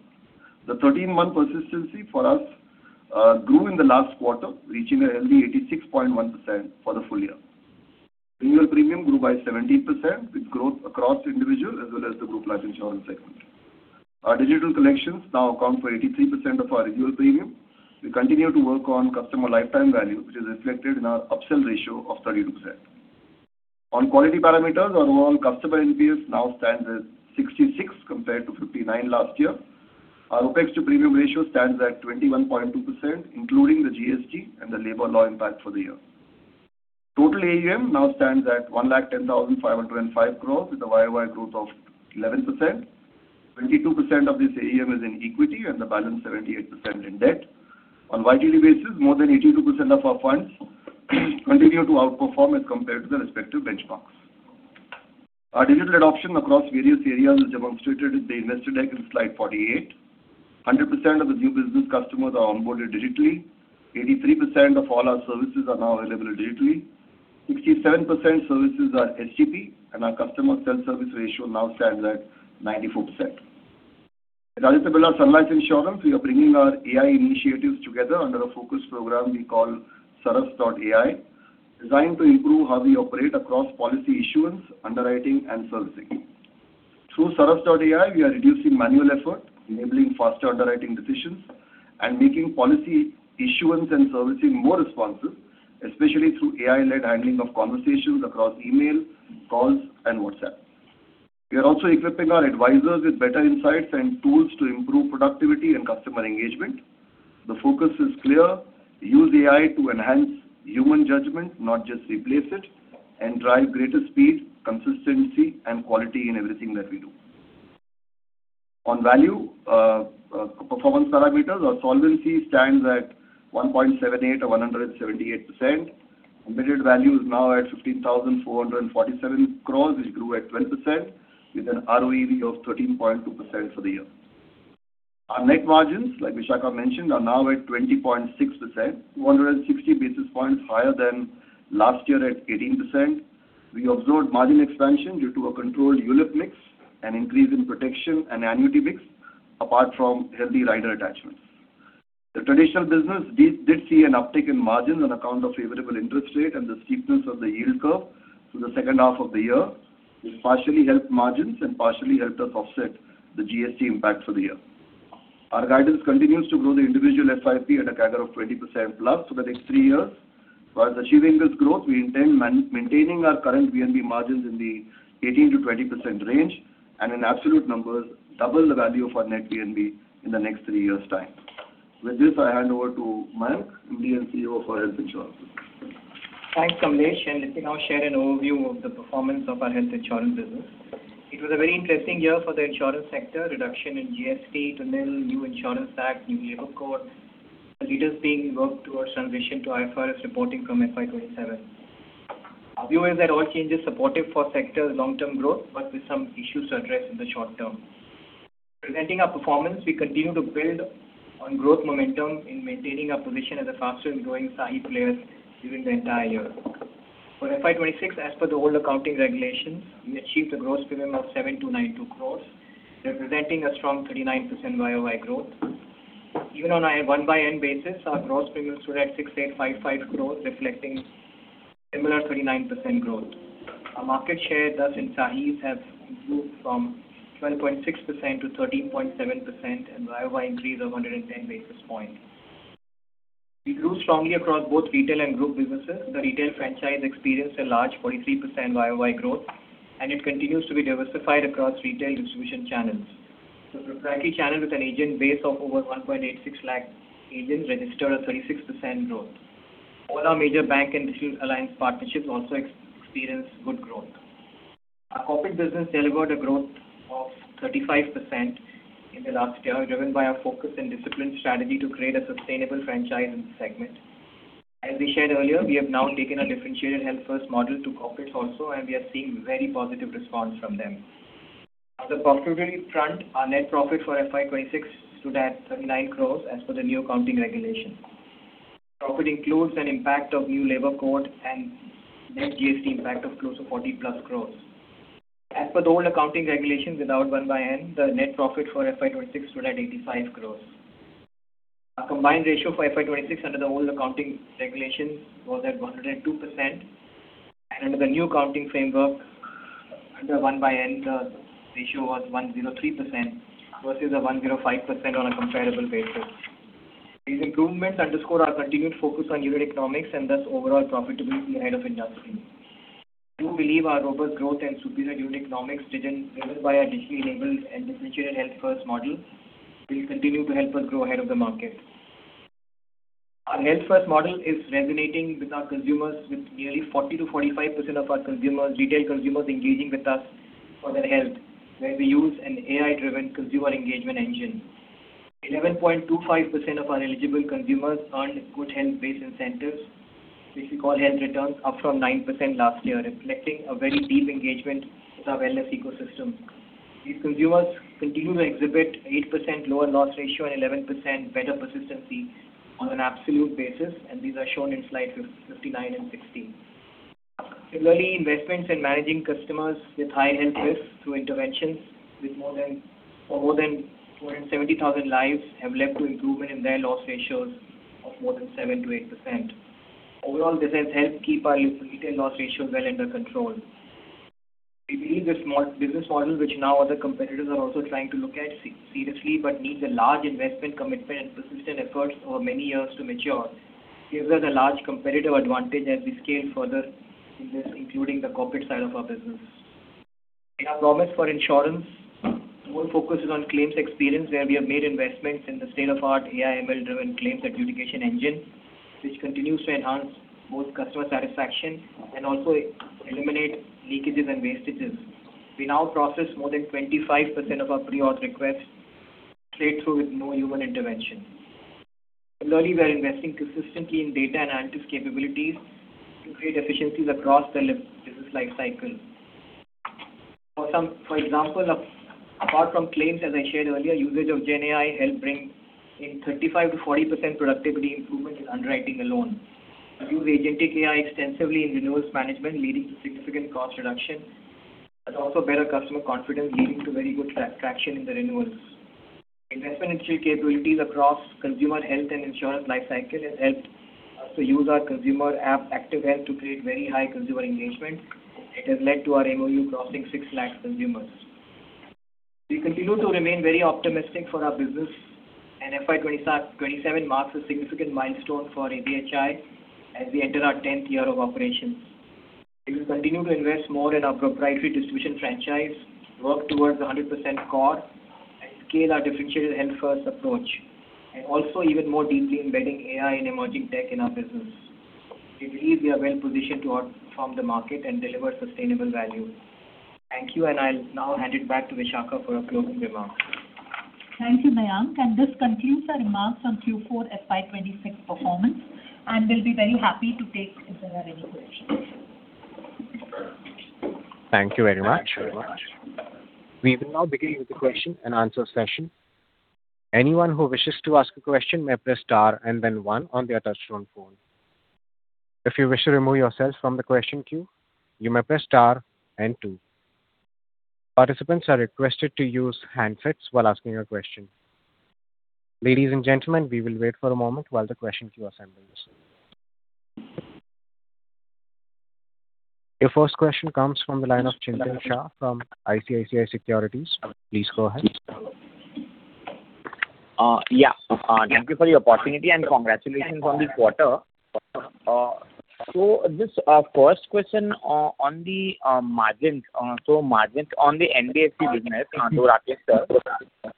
The 13-month persistency for us grew in the last quarter, reaching a healthy 86.1% for the full year. Renewal premium grew by 17% with growth across individual as well as the group life insurance segment. Our digital collections now account for 83% of our annual premium. We continue to work on customer lifetime value, which is reflected in our upsell ratio of 32%. On quality parameters, our overall customer NPS now stands at 66 compared to 59 last year. Our OpEx to premium ratio stands at 21.2%, including the GST and the labor law impact for the year. Total AUM now stands at 1,10,505 crores, with a year-on-year growth of 11%. 22% of this AUM is in equity and the balance 78% in debt. On YTD basis, more than 82% of our funds continue to outperform as compared to the respective benchmarks. Our digital adoption across various areas is demonstrated in the investor deck in slide 48. 100% of the new business customers are onboarded digitally. 83% of all our services are now available digitally. 67% services are HTP, and our customer self-service ratio now stands at 94%. At Aditya Birla Sun Life Insurance, we are bringing our AI initiatives together under a focus program we call Saras.ai, designed to improve how we operate across policy issuance, underwriting, and servicing. Through Saras.ai, we are reducing manual effort, enabling faster underwriting decisions, and making policy issuance and servicing more responsive, especially through AI-led handling of conversations across email, calls, and WhatsApp. We are also equipping our advisors with better insights and tools to improve productivity and customer engagement. The focus is clear. Use AI to enhance human judgment, not just replace it, and drive greater speed, consistency, and quality in everything that we do. On value, performance parameters, our solvency stands at 1.78 or 178%. Embedded value is now at 15,447 crores, which grew at 12% with an ROEV of 13.2% for the year. Our net margins, like Vishakha mentioned, are now at 20.6%, 160 basis points higher than last year at 18%. We observed margin expansion due to a controlled ULIP mix and increase in protection and annuity mix, apart from healthy rider attachments. The traditional business did see an uptick in margins on account of favorable interest rate and the steepness of the yield curve through the second half of the year. It partially helped margins and partially helped us offset the GST impact for the year. Our guidance continues to grow the individual FYP at a CAGR of 20% plus for the next three years. While achieving this growth, we intend maintaining our current VNB margins in the 18%-20% range, and in absolute numbers, double the value of our net VNB in the next three years' time. With this, I hand over to Mayank, India CEO for Health Insurance. Thanks, Kamlesh. Let me now share an overview of the performance of our health insurance business. It was a very interesting year for the insurance sector. Reduction in GST to NIL, new insurance act, new labor code, with leaders being worked towards transition to IFRS reporting from FY 2027. Our view is that all changes supportive for sector's long-term growth, but with some issues to address in the short term. Presenting our performance, we continue to build on growth momentum in maintaining our position as the fastest-growing SAHI player during the entire year. For FY 2026, as per the old accounting regulations, we achieved a gross premium of 7,292 crores, representing a strong 39% year-on-year growth. Even on a 1 by N basis, our gross premiums stood at 6,855 crores, reflecting similar 39% growth. Our market share thus in SAHIs have improved from 12.6% to 13.7% and year-on-year increase of 110 basis points. We grew strongly across both retail and group businesses. The retail franchise experienced a large 43% year-on-year growth, and it continues to be diversified across retail distribution channels. The proprietary channel with an agent base of over 1.86 lakh agents registered a 36% growth. All our major bank and digital alliance partnerships also experienced good growth. Our corporate business delivered a growth of 35% in the last year, driven by our focus and disciplined strategy to create a sustainable franchise in this segment. As we shared earlier, we have now taken our differentiated Health First model to corporates also, and we are seeing very positive response from them. On the profitability front, our net profit for FY 2026 stood at 39 crores as per the new accounting regulation. Profit includes an impact of new labor code and net GST impact of close to 40+ crores. As per the old accounting regulations without one by N, the net profit for FY 2026 stood at 85 crores. Our combined ratio for FY 2026 under the old accounting regulations was at 102%. Under the new accounting framework, under one by N, the ratio was 103% versus the 105% on a comparable basis. These improvements underscore our continued focus on unit economics and thus overall profitability ahead of industry. We do believe our robust growth and superior unit economics driven by our digitally enabled and differentiated Health First model will continue to help us grow ahead of the market. Our Health First model is resonating with our consumers, with nearly 40%-45% of our consumers, retail consumers engaging with us for their health, where we use an AI-driven consumer engagement engine. 11.25% of our eligible consumers earned good health-based incentives, which we call health returns, up from 9% last year, reflecting a very deep engagement with our wellness ecosystem. These consumers continue to exhibit 8% lower loss ratio and 11% better persistency on an absolute basis, and these are shown in slide 59 and 16. Similarly, investments in managing customers with high health risks through interventions for more than 270,000 lives have led to improvement in their loss ratios of more than 7%-8%. Overall, this has helped keep our retail loss ratio well under control. We believe this business model, which now other competitors are also trying to look at seriously, but needs a large investment commitment and persistent efforts over many years to mature, gives us a large competitive advantage as we scale further in this, including the corporate side of our business. In our promise for insurance, more focus is on claims experience, where we have made investments in the state-of-the-art AI ML-driven claims adjudication engine, which continues to enhance both customer satisfaction and also eliminate leakages and wastages. We now process more than 25% of our pre-auth requests straight through with no human intervention. Similarly, we are investing consistently in data analytics capabilities to create efficiencies across the business life cycle. For example, apart from claims, as I shared earlier, usage of GenAI helped bring in 35%-40% productivity improvement in underwriting alone. We use agentic AI extensively in renewals management, leading to significant cost reduction, but also better customer confidence leading to very good traction in the renewals. Investment in three capabilities across consumer health and insurance life cycle has helped us to use our consumer app, Activ Health, to create very high consumer engagement. It has led to our MOU crossing 6 lakh consumers. We continue to remain very optimistic for our business. FY 2027 marks a significant milestone for ABHI as we enter our 10th year of operations. We will continue to invest more in our proprietary distribution franchise, work towards a 100% core, scale our differentiated Health First approach, also even more deeply embedding AI and emerging tech in our business. We believe we are well positioned to outform the market and deliver sustainable value. Thank you, and I'll now hand it back to Vishakha for her closing remarks. Thank you, Mayank. This concludes our remarks on Q4 FY 2026 performance, and we'll be very happy to take if there are any questions. Thank you very much. We will now begin with the question and answer session. Your first question comes from the line of Chintan Shah from ICICI Securities. Please go ahead. Thank you for the opportunity, and congratulations on the quarter. This first question on the margins. Margins on the NBFC business to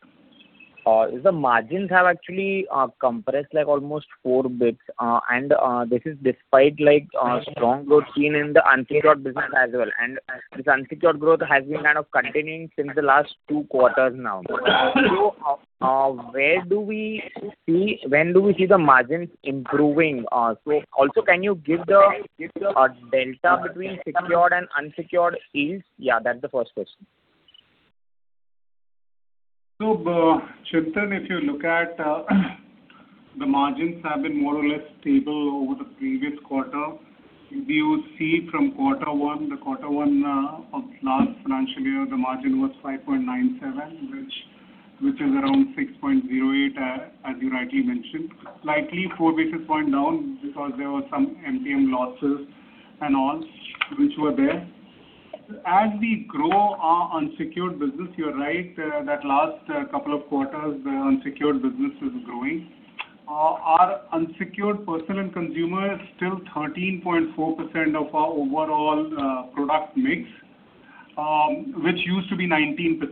Rakesh. The margins have actually compressed like almost 4 basis points. This is despite like strong growth seen in the unsecured business as well. This unsecured growth has been kind of continuing since the last two quarters now. When do we see the margins improving? Also, can you give the delta between secured and unsecured yields? Yeah, that's the first question. Chintan, if you look at, the margins have been more or less stable over the previous quarter. If you see from quarter 1, the quarter 1 of last financial year, the margin was 5.97, which is around 6.08, as you rightly mentioned. Slightly 4 basis point down because there were some MTM losses and all which were there. As we grow our unsecured business, you are right. That last couple of quarters, unsecured business is growing. Our unsecured personal consumer is still 13.4% of our overall product mix, which used to be 19%.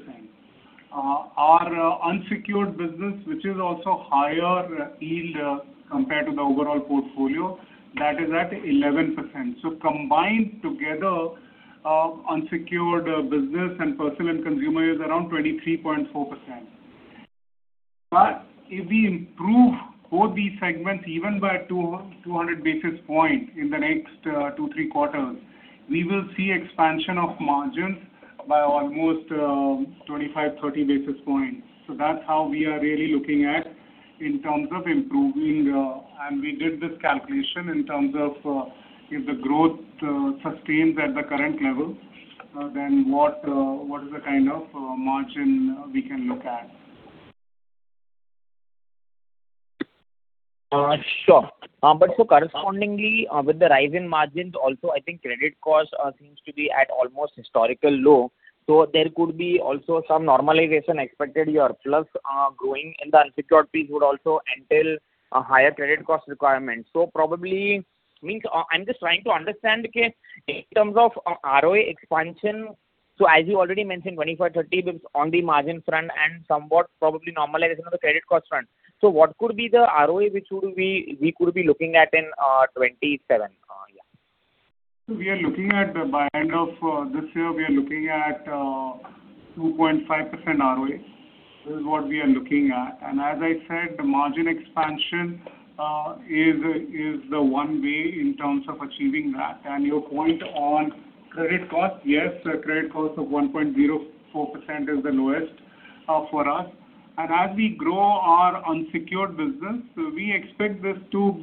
Our unsecured business, which is also higher yield compared to the overall portfolio, that is at 11%. Combined together, unsecured business and personal and consumer is around 23.4%. If we improve both these segments even by 200 basis points in the next two, three quarters, we will see expansion of margins by almost 25, 30 basis points. That's how we are really looking at in terms of improving. We did this calculation in terms of if the growth sustains at the current level, then what is the kind of margin we can look at. Sure. Correspondingly, with the rise in margins also, I think credit cost seems to be at almost historical low. There could be also some normalization expected here, plus, growing in the unsecured piece would also entail a higher credit cost requirement. Probably means, I'm just trying to understand, in terms of ROE expansion. As you already mentioned, 25, 30 basis on the margin front and somewhat probably normalization of the credit cost front. What could be the ROE we could be looking at in 2027? Yeah. We are looking at, by end of this year, we are looking at 2.5% ROE. This is what we are looking at. As I said, the margin expansion is the one way in terms of achieving that. Your point on credit cost, yes, credit cost of 1.04% is the lowest for us. As we grow our unsecured business, we expect this to,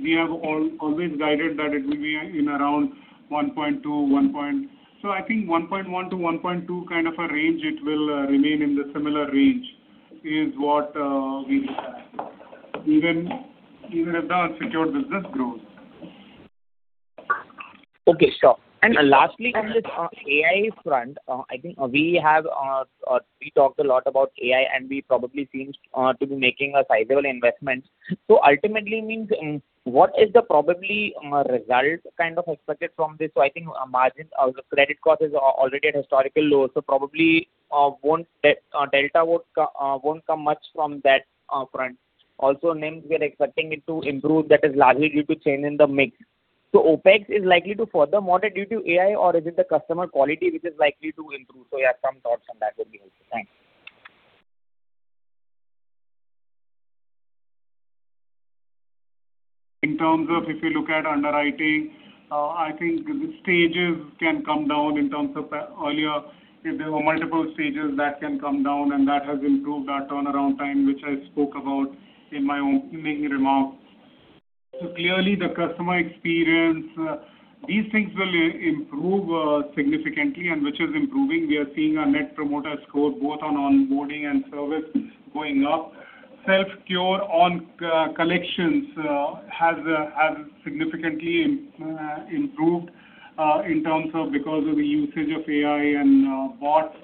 we have always guided that it will be in around 1.1%-1.2% kind of a range, it will remain in the similar range, is what we expect. Even if the unsecured business grows. Okay, sure. Lastly, on the AI front, I think we talked a lot about AI, and we probably seem to be making a sizable investment. Ultimately means, what is the probably result kind of expected from this? I think margins, the credit cost is already at historical lows, probably won't delta won't come much from that front. Also NIMs, we are expecting it to improve. That is largely due to change in the mix. OpEx is likely to further moderate due to AI or is it the customer quality which is likely to improve? Yeah, some thoughts on that would be helpful. Thanks. In terms of if you look at underwriting, I think the stages can come down in terms of the earlier. If there were multiple stages, that can come down, and that has improved our turnaround time, which I spoke about in my own opening remarks. Clearly the customer experience, these things will improve significantly and which is improving. We are seeing our Net Promoter Score both on onboarding and service going up. Self-cure on collections has significantly improved in terms of because of the usage of AI and bots.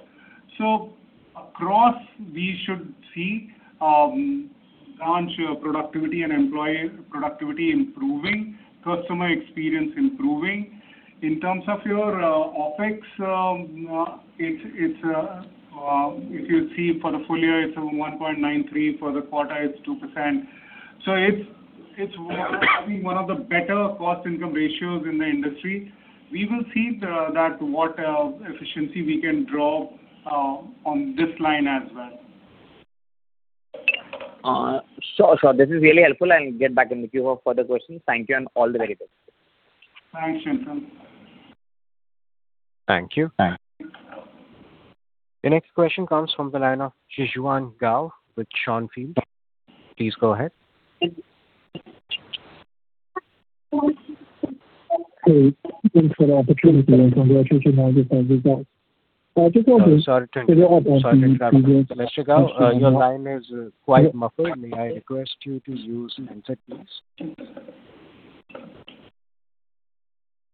Across, we should see our productivity and employee productivity improving, customer experience improving. In terms of your OpEx, if you see for the full year it's 1.93%, for the quarter it's 2%. It's probably one of the better cost-income ratios in the industry. We will see what efficiency we can draw on this line as well. Sure. This is really helpful. I'll get back in the queue for further questions. Thank you and all the very best. Thanks, Chintan. Thank you. Thanks. The next question comes from the line of Gao Zhixuan with Schonfeld. Please go ahead. Sorry. Thanks for the opportunity and congratulations on the results. Sorry to interrupt. Mr. Gao, your line is quite muffled. May I request you to use headset, please?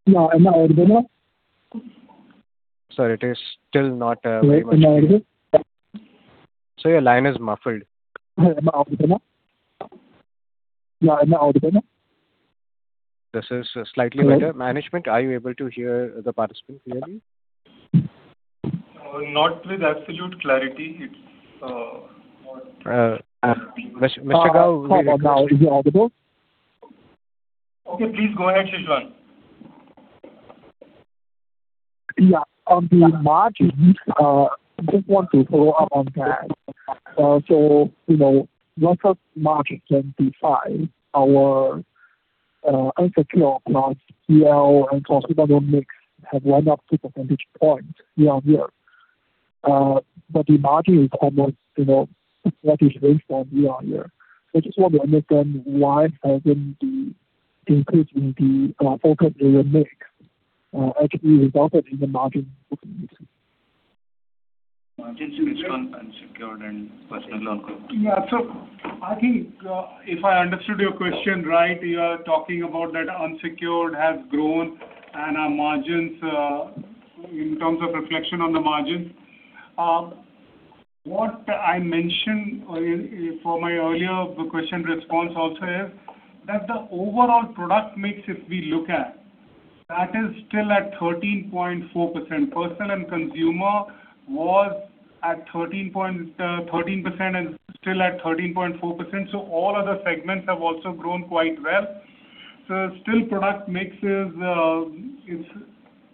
Yeah. Am I audible now? Sir, it is still not. Am I audible? Sir, your line is muffled. Am I audible? Yeah. Am I audible? This is slightly better. Management, are you able to hear the participant clearly? Not with absolute clarity. It's Mr. Gao, we request you- Okay. Please go ahead, Zixuan. On the margins, just want to follow up on that. You know, ROCE margin can define our unsecured plus PL and consumer mix have went up 2 percentage points year-on-year. The margin is almost, you know, slightly changed from year-on-year. I just want to understand why hasn't the increase in the focus area mix actually resulted in the margin improvement. Margins mix on unsecured and personal loan growth. Yeah. I think, if I understood your question right, you are talking about that unsecured has grown and our margins, in terms of reflection on the margin. What I mentioned for my earlier question response also is that the overall product mix, if we look at, that is still at 13.4%. Personal and consumer was at 13%, and still at 13.4%. All other segments have also grown quite well. Still product mix is.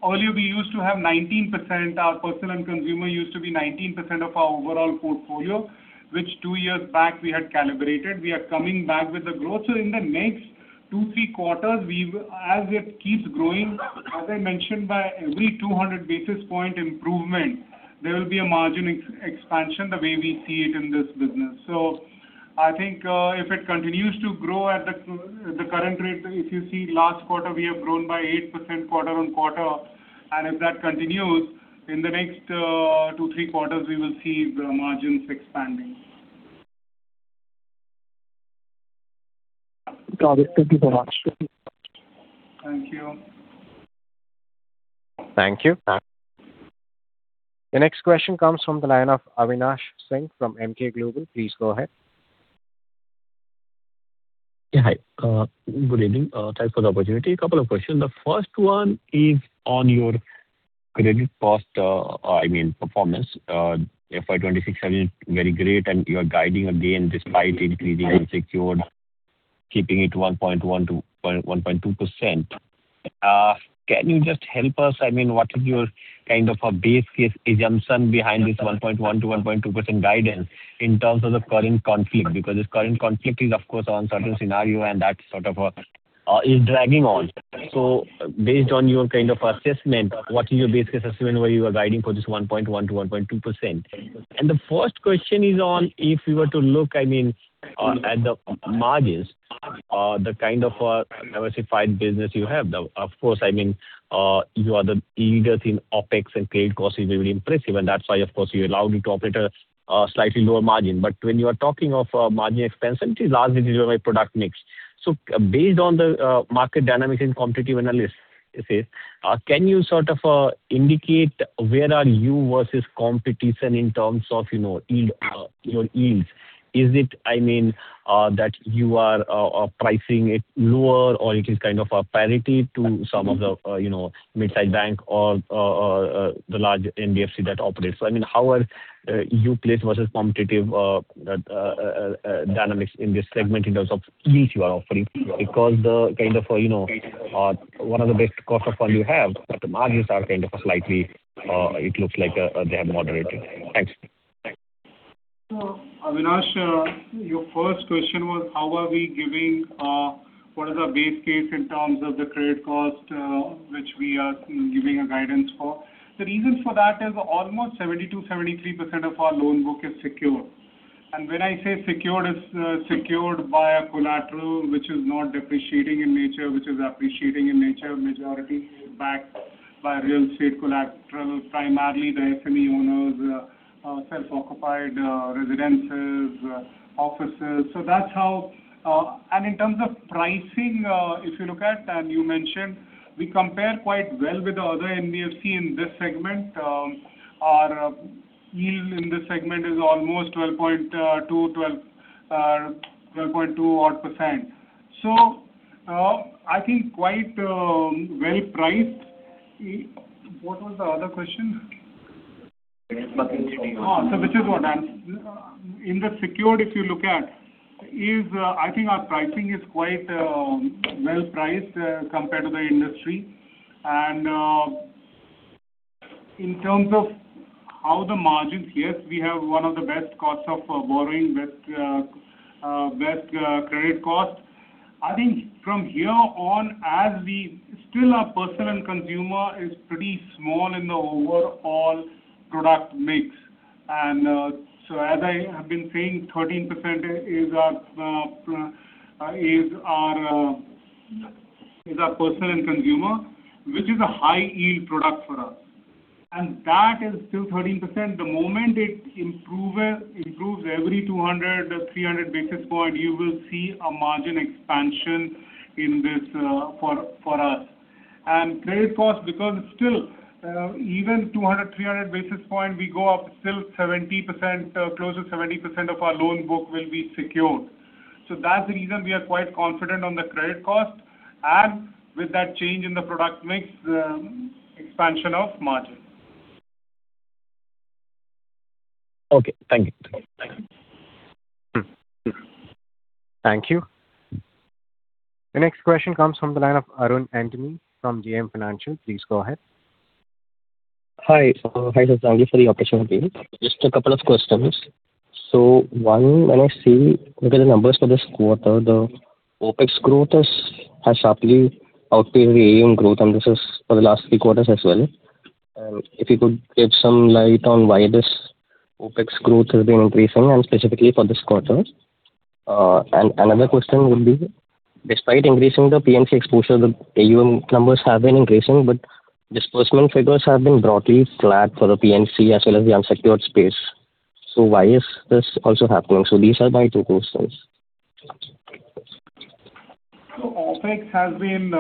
Earlier we used to have 19%. Our personal and consumer used to be 19% of our overall portfolio, which two years back we had calibrated. We are coming back with the growth. In the next two, three quarters, we will as it keeps growing, as I mentioned, by every 200 basis point improvement, there will be a margin expansion the way we see it in this business. I think if it continues to grow at the current rate, if you see last quarter we have grown by 8% quarter-on-quarter, and if that continues, in the next, two, three quarters, we will see the margins expanding. Got it. Thank you very much. Thank you. Thank you. The next question comes from the line of Avinash Singh from Emkay Global. Please go ahead. Yeah. Hi. Good evening. Thanks for the opportunity. A couple of questions. The first one is on your credit cost, I mean performance. FY 2026 having very great, and you are guiding again despite increasing unsecured, keeping it 1.1%-1.2%. Can you just help us, I mean, what is your kind of a base case assumption behind this 1.1%-1.2% guidance in terms of the current conflict? Because this current conflict is of course on certain scenario and that sort of is dragging on. Based on your kind of assessment, what is your base case assessment where you are guiding for this 1.1%-1.2%? The first question is on if you were to look, I mean, at the margins, the kind of diversified business you have. Of course, I mean, you are the leaders in OpEx and credit cost is very impressive and that's why of course you're allowed to operate a slightly lower margin. When you are talking of margin expansion, it is largely driven by product mix. Based on the market dynamics and competitive analysis, can you sort of indicate where are you versus competition in terms of, you know, yield, your yields? Is it, I mean, that you are pricing it lower or it is kind of a parity to some of the, you know, mid-size bank or the large NBFC that operates? I mean, how are you placed versus competitive dynamics in this segment in terms of yields you are offering? Because the kind of, you know, one of the best cost of fund you have, but the margins are kind of slightly, it looks like, they have moderated. Thanks. Avinash, your first question was how are we giving, what is our base case in terms of the credit cost, which we are giving a guidance for. The reason for that is almost 72%, 73% of our loan book is secured. When I say secured, it's secured by a collateral which is not depreciating in nature, which is appreciating in nature. Majority is backed by real estate collateral, primarily the SME owners, self-occupied, residences, offices. That's how. In terms of pricing, if you look at and you mentioned, we compare quite well with the other NBFC in this segment. Our yield in this segment is almost 12.2%, 12%, 12.2% odd. I think quite well priced. What was the other question? Risk market CDO. Which is what? In the secured, if you look at yields, I think our pricing is quite well priced compared to the industry. In terms of how the margins, yes, we have one of the best cost of borrowing with best credit cost. I think from here on, as we still are personal and consumer is pretty small in the overall product mix. As I have been saying, 13% is our personal and consumer, which is a high-yield product for us, and that is still 13%. The moment it improves every 200, 300 basis points, you will see a margin expansion in this for us. Credit cost because still, even 200, 300 basis points we go up, still 70%, close to 70% of our loan book will be secured. That's the reason we are quite confident on the credit cost and with that change in the product mix, expansion of margin. Okay. Thank you. Thank you. Thank you. The next question comes from the line of Arun Antony from JM Financial. Please go ahead. Hi. Hi, sir. Thank you for the opportunity. Just a couple of questions. One, when I see, look at the numbers for this quarter, the OpEx growth has sharply outpaced the AUM growth, and this is for the last three quarters as well. If you could shed some light on why this OpEx growth has been increasing and specifically for this quarter. Another question would be, despite increasing the PNC exposure, the AUM numbers have been increasing, but disbursement figures have been broadly flat for the PNC as well as the unsecured space. Why is this also happening? These are my two questions. OpEx has been,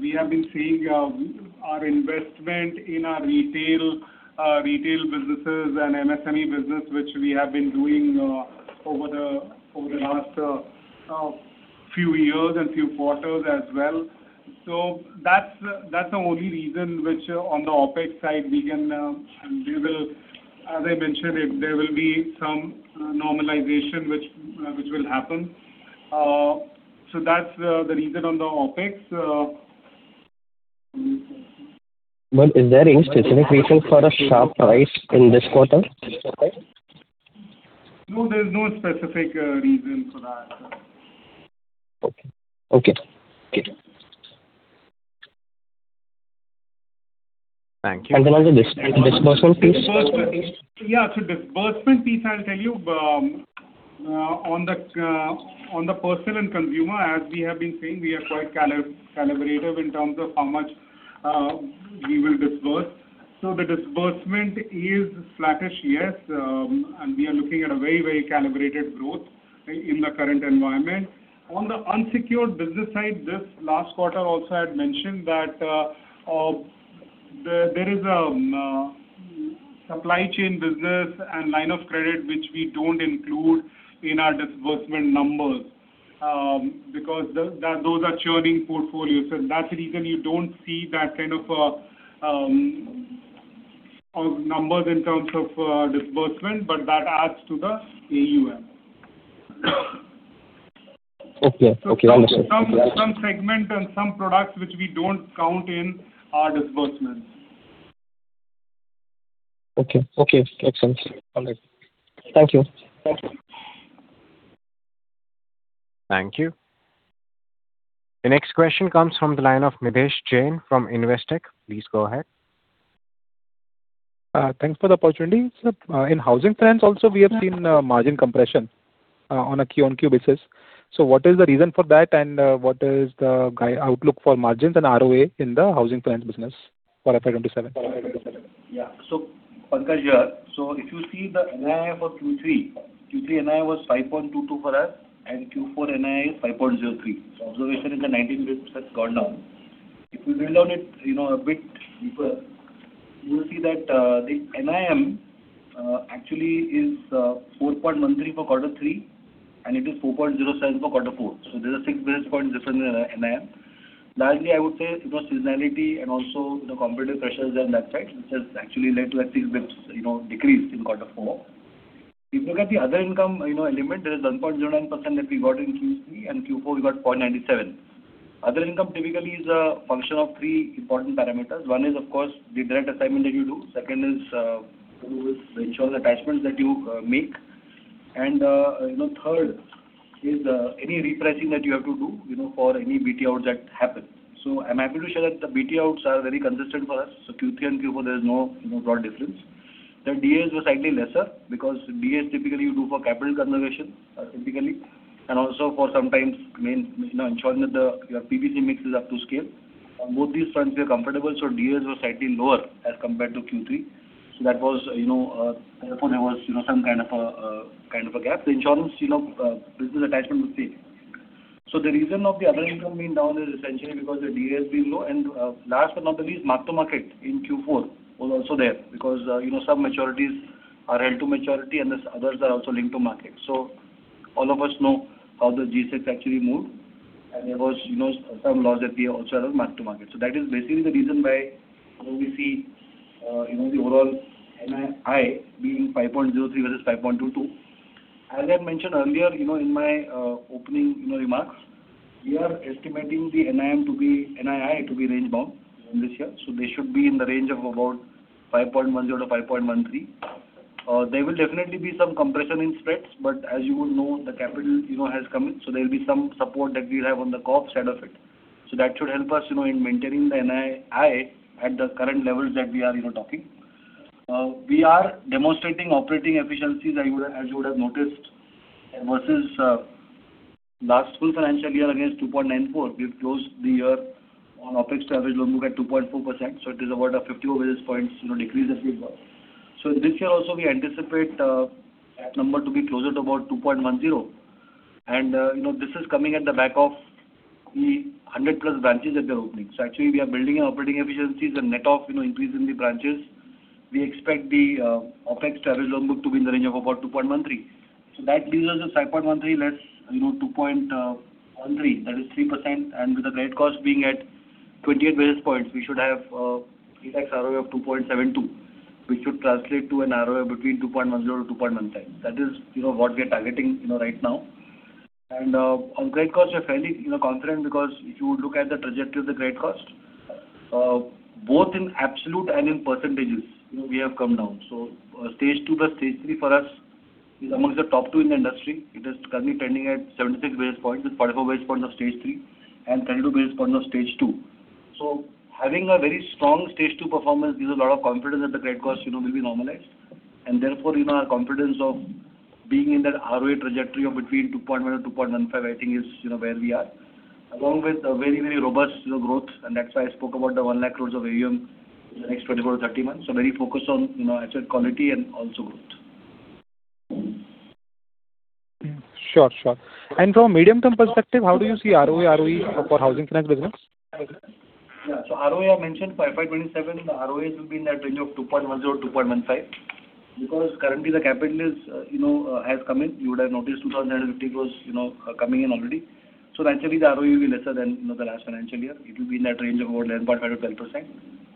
we have been seeing, our investment in our retail businesses and MSME business which we have been doing, over the last, few years and few quarters as well. That's, that's the only reason which on the OpEx side. As I mentioned it, there will be some normalization which will happen. That's the reason on the OpEx. Is there any specific reason for the sharp rise in this quarter? No, there's no specific reason for that. Okay. Okay. Thank you. Thank you. On the disbursement piece. Disbursement. Disbursement piece, I'll tell you, on the personal and consumer, as we have been saying, we are quite calibrative in terms of how much we will disburse. The disbursement is flattish, yes, and we are looking at a very, very calibrated growth in the current environment. On the unsecured business side, this last quarter also I had mentioned that there is a supply chain business and line of credit which we don't include in our disbursement numbers, because those are churning portfolios and that's the reason you don't see that kind of numbers in terms of disbursement, but that adds to the AUM. Okay. Okay. Understood. Some segment and some products which we don't count in our disbursements. Okay. Okay. Excellent. All right. Thank you. Thank you. The next question comes from the line of Mitesh Jain from Investec. Please go ahead. Thanks for the opportunity. In housing finance also we have seen margin compression on a QoQ basis. What is the reason for that and what is the outlook for margins and ROA in the housing finance business for FY 2027? Pankaj here. If you see the NII for Q3. Q3 NII was 5.22 for us and Q4 NII 5.03. Observation is the 19 basis has gone down. If we drill down it, you know, a bit deeper, you will see that the NIM actually is 4.13 for quarter three and it is 4.07 for quarter four. There's a 6 basis point difference in the NIM. Largely, I would say it was seasonality and also the competitive pressures on that side, which has actually led to a 6 basis, you know, decrease in quarter four. If you look at the other income, you know, element, there is 1.09% that we got in Q3, and Q4 we got 0.97%. Other income typically is a function of three important parameters. One is, of course, the direct assignment that you do. Second is, through the insurance attachments that you make. You know, third is, any repricing that you have to do, you know, for any BT outs that happen. I'm happy to share that the BT outs are very consistent for us. Q3 and Q4 there is no, you know, broad difference. The DS was slightly lesser because DS typically you do for capital conservation, typically, and also for sometimes main, you know, ensuring that the PBC mix is up to scale. On both these fronts we are comfortable, so DS was slightly lower as compared to Q3. That was, you know, therefore there was, you know, some kind of a kind of a gap to ensure, you know, business attachment was safe. The reason of the other income being down is essentially because the DS is low and, last but not the least, mark-to-market in Q4 was also there because, you know, some maturities are held to maturity and this others are also linked to market. All of us know how the G-sec actually moved. There was, you know, some loss that we also had on mark-to-market. That is basically the reason why when we see, you know, the overall NII being 5.03 versus 5.22. As I mentioned earlier, you know, in my opening, you know, remarks, we are estimating the NII to be range bound in this year. They should be in the range of about 5.10 to 5.13. There will definitely be some compression in spreads, as you would know, the capital, you know, has come in, there will be some support that we'll have on the corp side of it. That should help us, you know, in maintaining the NII at the current levels that we are, you know, talking. We are demonstrating operating efficiencies as you would have noticed versus last full financial year against 2.94. We have closed the year on OpEx to average loan book at 2.4%, so it is about a 50 basis points, you know, decrease that we have got. This year also we anticipate that number to be closer to about 2.10. You know, this is coming at the back of the 100 plus branches that we are opening. Actually we are building our operating efficiencies and net of, you know, increase in the branches. We expect the OpEx to average loan book to be in the range of about 2.13. That leaves us at 5.13 less, you know, 2.13. That is 3%. With the credit cost being at 28 basis points we should have pre-tax ROE of 2.72, which should translate to an ROA between 2.10 to 2.15. That is, you know, what we are targeting, you know, right now. On credit cost, we're fairly, you know, confident because if you look at the trajectory of the credit cost, both in absolute and in %, you know, we have come down. Stage 2+Stage 3 for us is amongst the top 2 in the industry. It is currently trending at 76 basis points with 44 basis points of Stage 3 and 32 basis points of Stage 2. Having a very strong Stage 2 performance gives a lot of confidence that the credit cost, you know, will be normalized. Therefore, you know, our confidence of being in that ROE trajectory of between 2.1 and 2.15 I think is, you know, where we are. Along with a very, very robust, you know, growth. That's why I spoke about the 1 lakh crore of AUM in the next 24-30 months. Sure, sure. From a medium-term perspective, how do you see ROA, ROE for housing finance business? ROA mentioned for FY 2027, the ROEs will be in that range of 2.10%, 2.15% because currently the capital is, you know, has come in. You would have noticed 2,050 crores, you know, coming in already. Naturally, the ROE will be lesser than, you know, the last financial year. It will be in that range of about 9.5%-10%.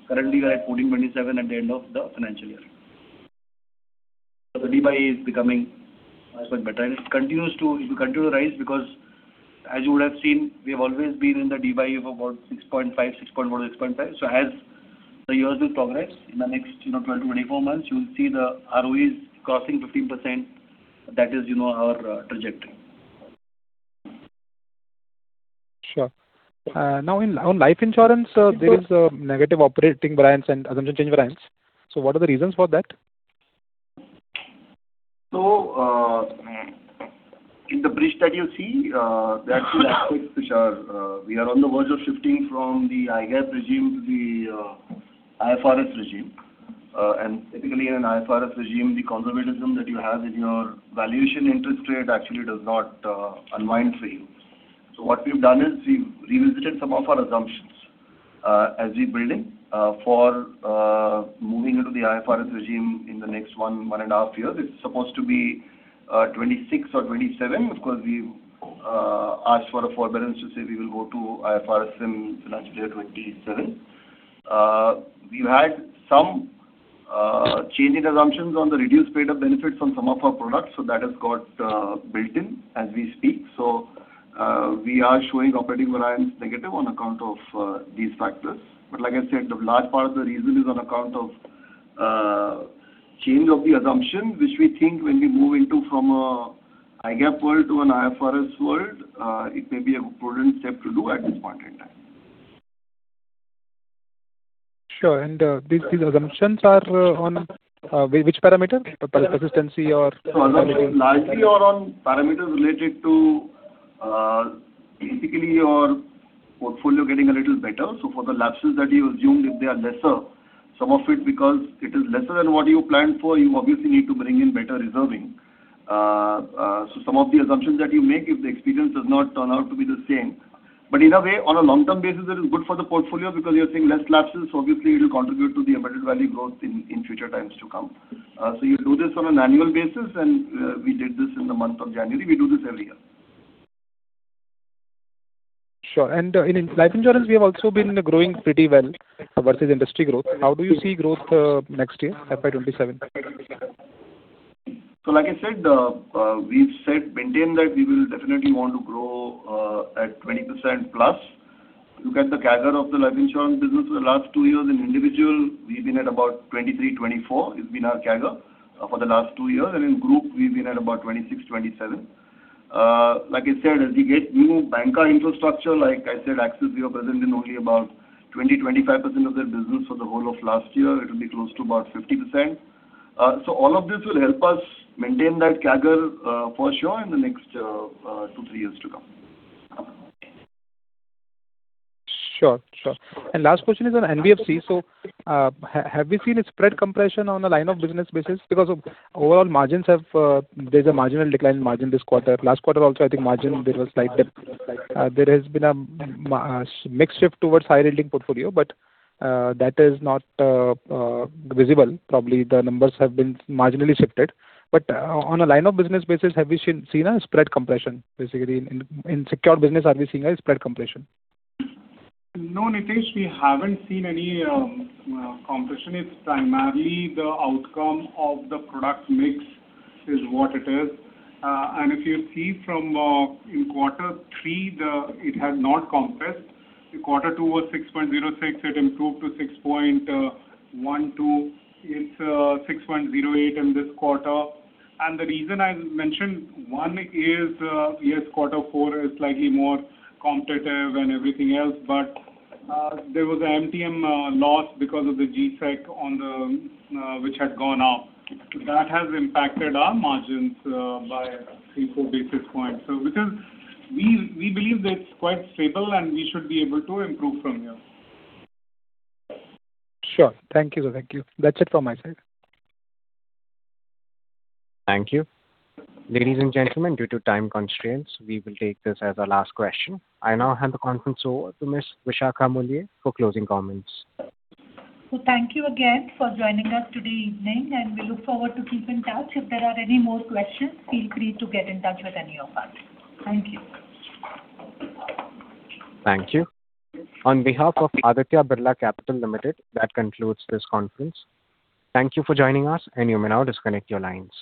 Currently we are at 14.27% at the end of the financial year. The DY is becoming much, much better and it continues to, it will continue to rise because as you would have seen, we have always been in the DY of about 6.5%, 6.1%, 6.5%. As the years will progress in the next, you know, 12 to 24 months, you will see the ROEs crossing 15%. That is, you know, our trajectory. Sure. Now in, on life insurance, there is a negative operating variance and assumption change variance. What are the reasons for that? In the bridge that you see, there are two aspects which are, we are on the verge of shifting from the IFRS regime to the IFRS regime. And typically in an IFRS regime, the conservatism that you have in your valuation interest rate actually does not unwind for you. What we've done is we've revisited some of our assumptions, as we build in, for moving into the IFRS regime in the next 1.5 years. It's supposed to be 2026 or 2027 because we asked for a forbearance to say we will go to IFRS in FY 2027. We've had some change in assumptions on the reduced paid up benefits on some of our products. That has got built in as we speak. We are showing operating variance negative on account of these factors. Like I said, the large part of the reason is on account of change of the assumption, which we think when we move into from IFRS world to an IFRS world, it may be a prudent step to do at this point in time. Sure. These assumptions are on which parameter? Persistence or? Assumptions largely are on parameters related to, basically your portfolio getting a little better. For the lapses that you assumed, if they are lesser, some of it because it is lesser than what you planned for, you obviously need to bring in better reserving. Some of the assumptions that you make if the experience does not turn out to be the same. In a way, on a long-term basis it is good for the portfolio because you're seeing less lapses, so obviously it'll contribute to the embedded value growth in future times to come. You do this on an annual basis, and, we did this in the month of January. We do this every year. Sure. In, in life insurance we have also been growing pretty well versus industry growth. How do you see growth next year, FY 2027? Like I said, we've said maintain that we will definitely want to grow at 20% plus. Look at the CAGR of the life insurance business for the last two years. In individual we've been at about 23, 24 has been our CAGR for the last two years, and in group we've been at about 26, 27. Like I said, as we get new banker infrastructure, like I said, Axis we are present in only about 20%, 25% of their business for the whole of last year. It'll be close to about 50%. All of this will help us maintain that CAGR for sure in the next two, three years to come. Sure. Sure. Last question is on NBFC. Have we seen a spread compression on a line of business basis? Because of overall margins have, there's a marginal decline in margin this quarter. Last quarter also I think margin there was slight dip. There has been a mix shift towards high-yielding portfolio, but that is not visible. Probably the numbers have been marginally shifted. On a line of business basis, have we seen a spread compression basically in secured business, are we seeing a spread compression? No, Mitesh, we haven't seen any compression. It's primarily the outcome of the product mix is what it is. If you see from in quarter three, it has not compressed. In quarter two was 6.06, it improved to 6.12. It's 6.08 in this quarter. The reason I mentioned one is, yes, quarter four is slightly more competitive and everything else, but there was a MTM loss because of the G-sec on the which had gone up. That has impacted our margins by three, 4 basis points. Because we believe that it's quite stable and we should be able to improve from here. Sure. Thank you, Vivek. That's it from my side. Thank you. Ladies and gentlemen, due to time constraints, we will take this as our last question. I now hand the conference over to Ms. Vishakha Mulye for closing comments. Thank you again for joining us today evening and we look forward to keep in touch. If there are any more questions, feel free to get in touch with any of us. Thank you. Thank you. On behalf of Aditya Birla Capital Limited, that concludes this conference. Thank you for joining us, and you may now disconnect your lines.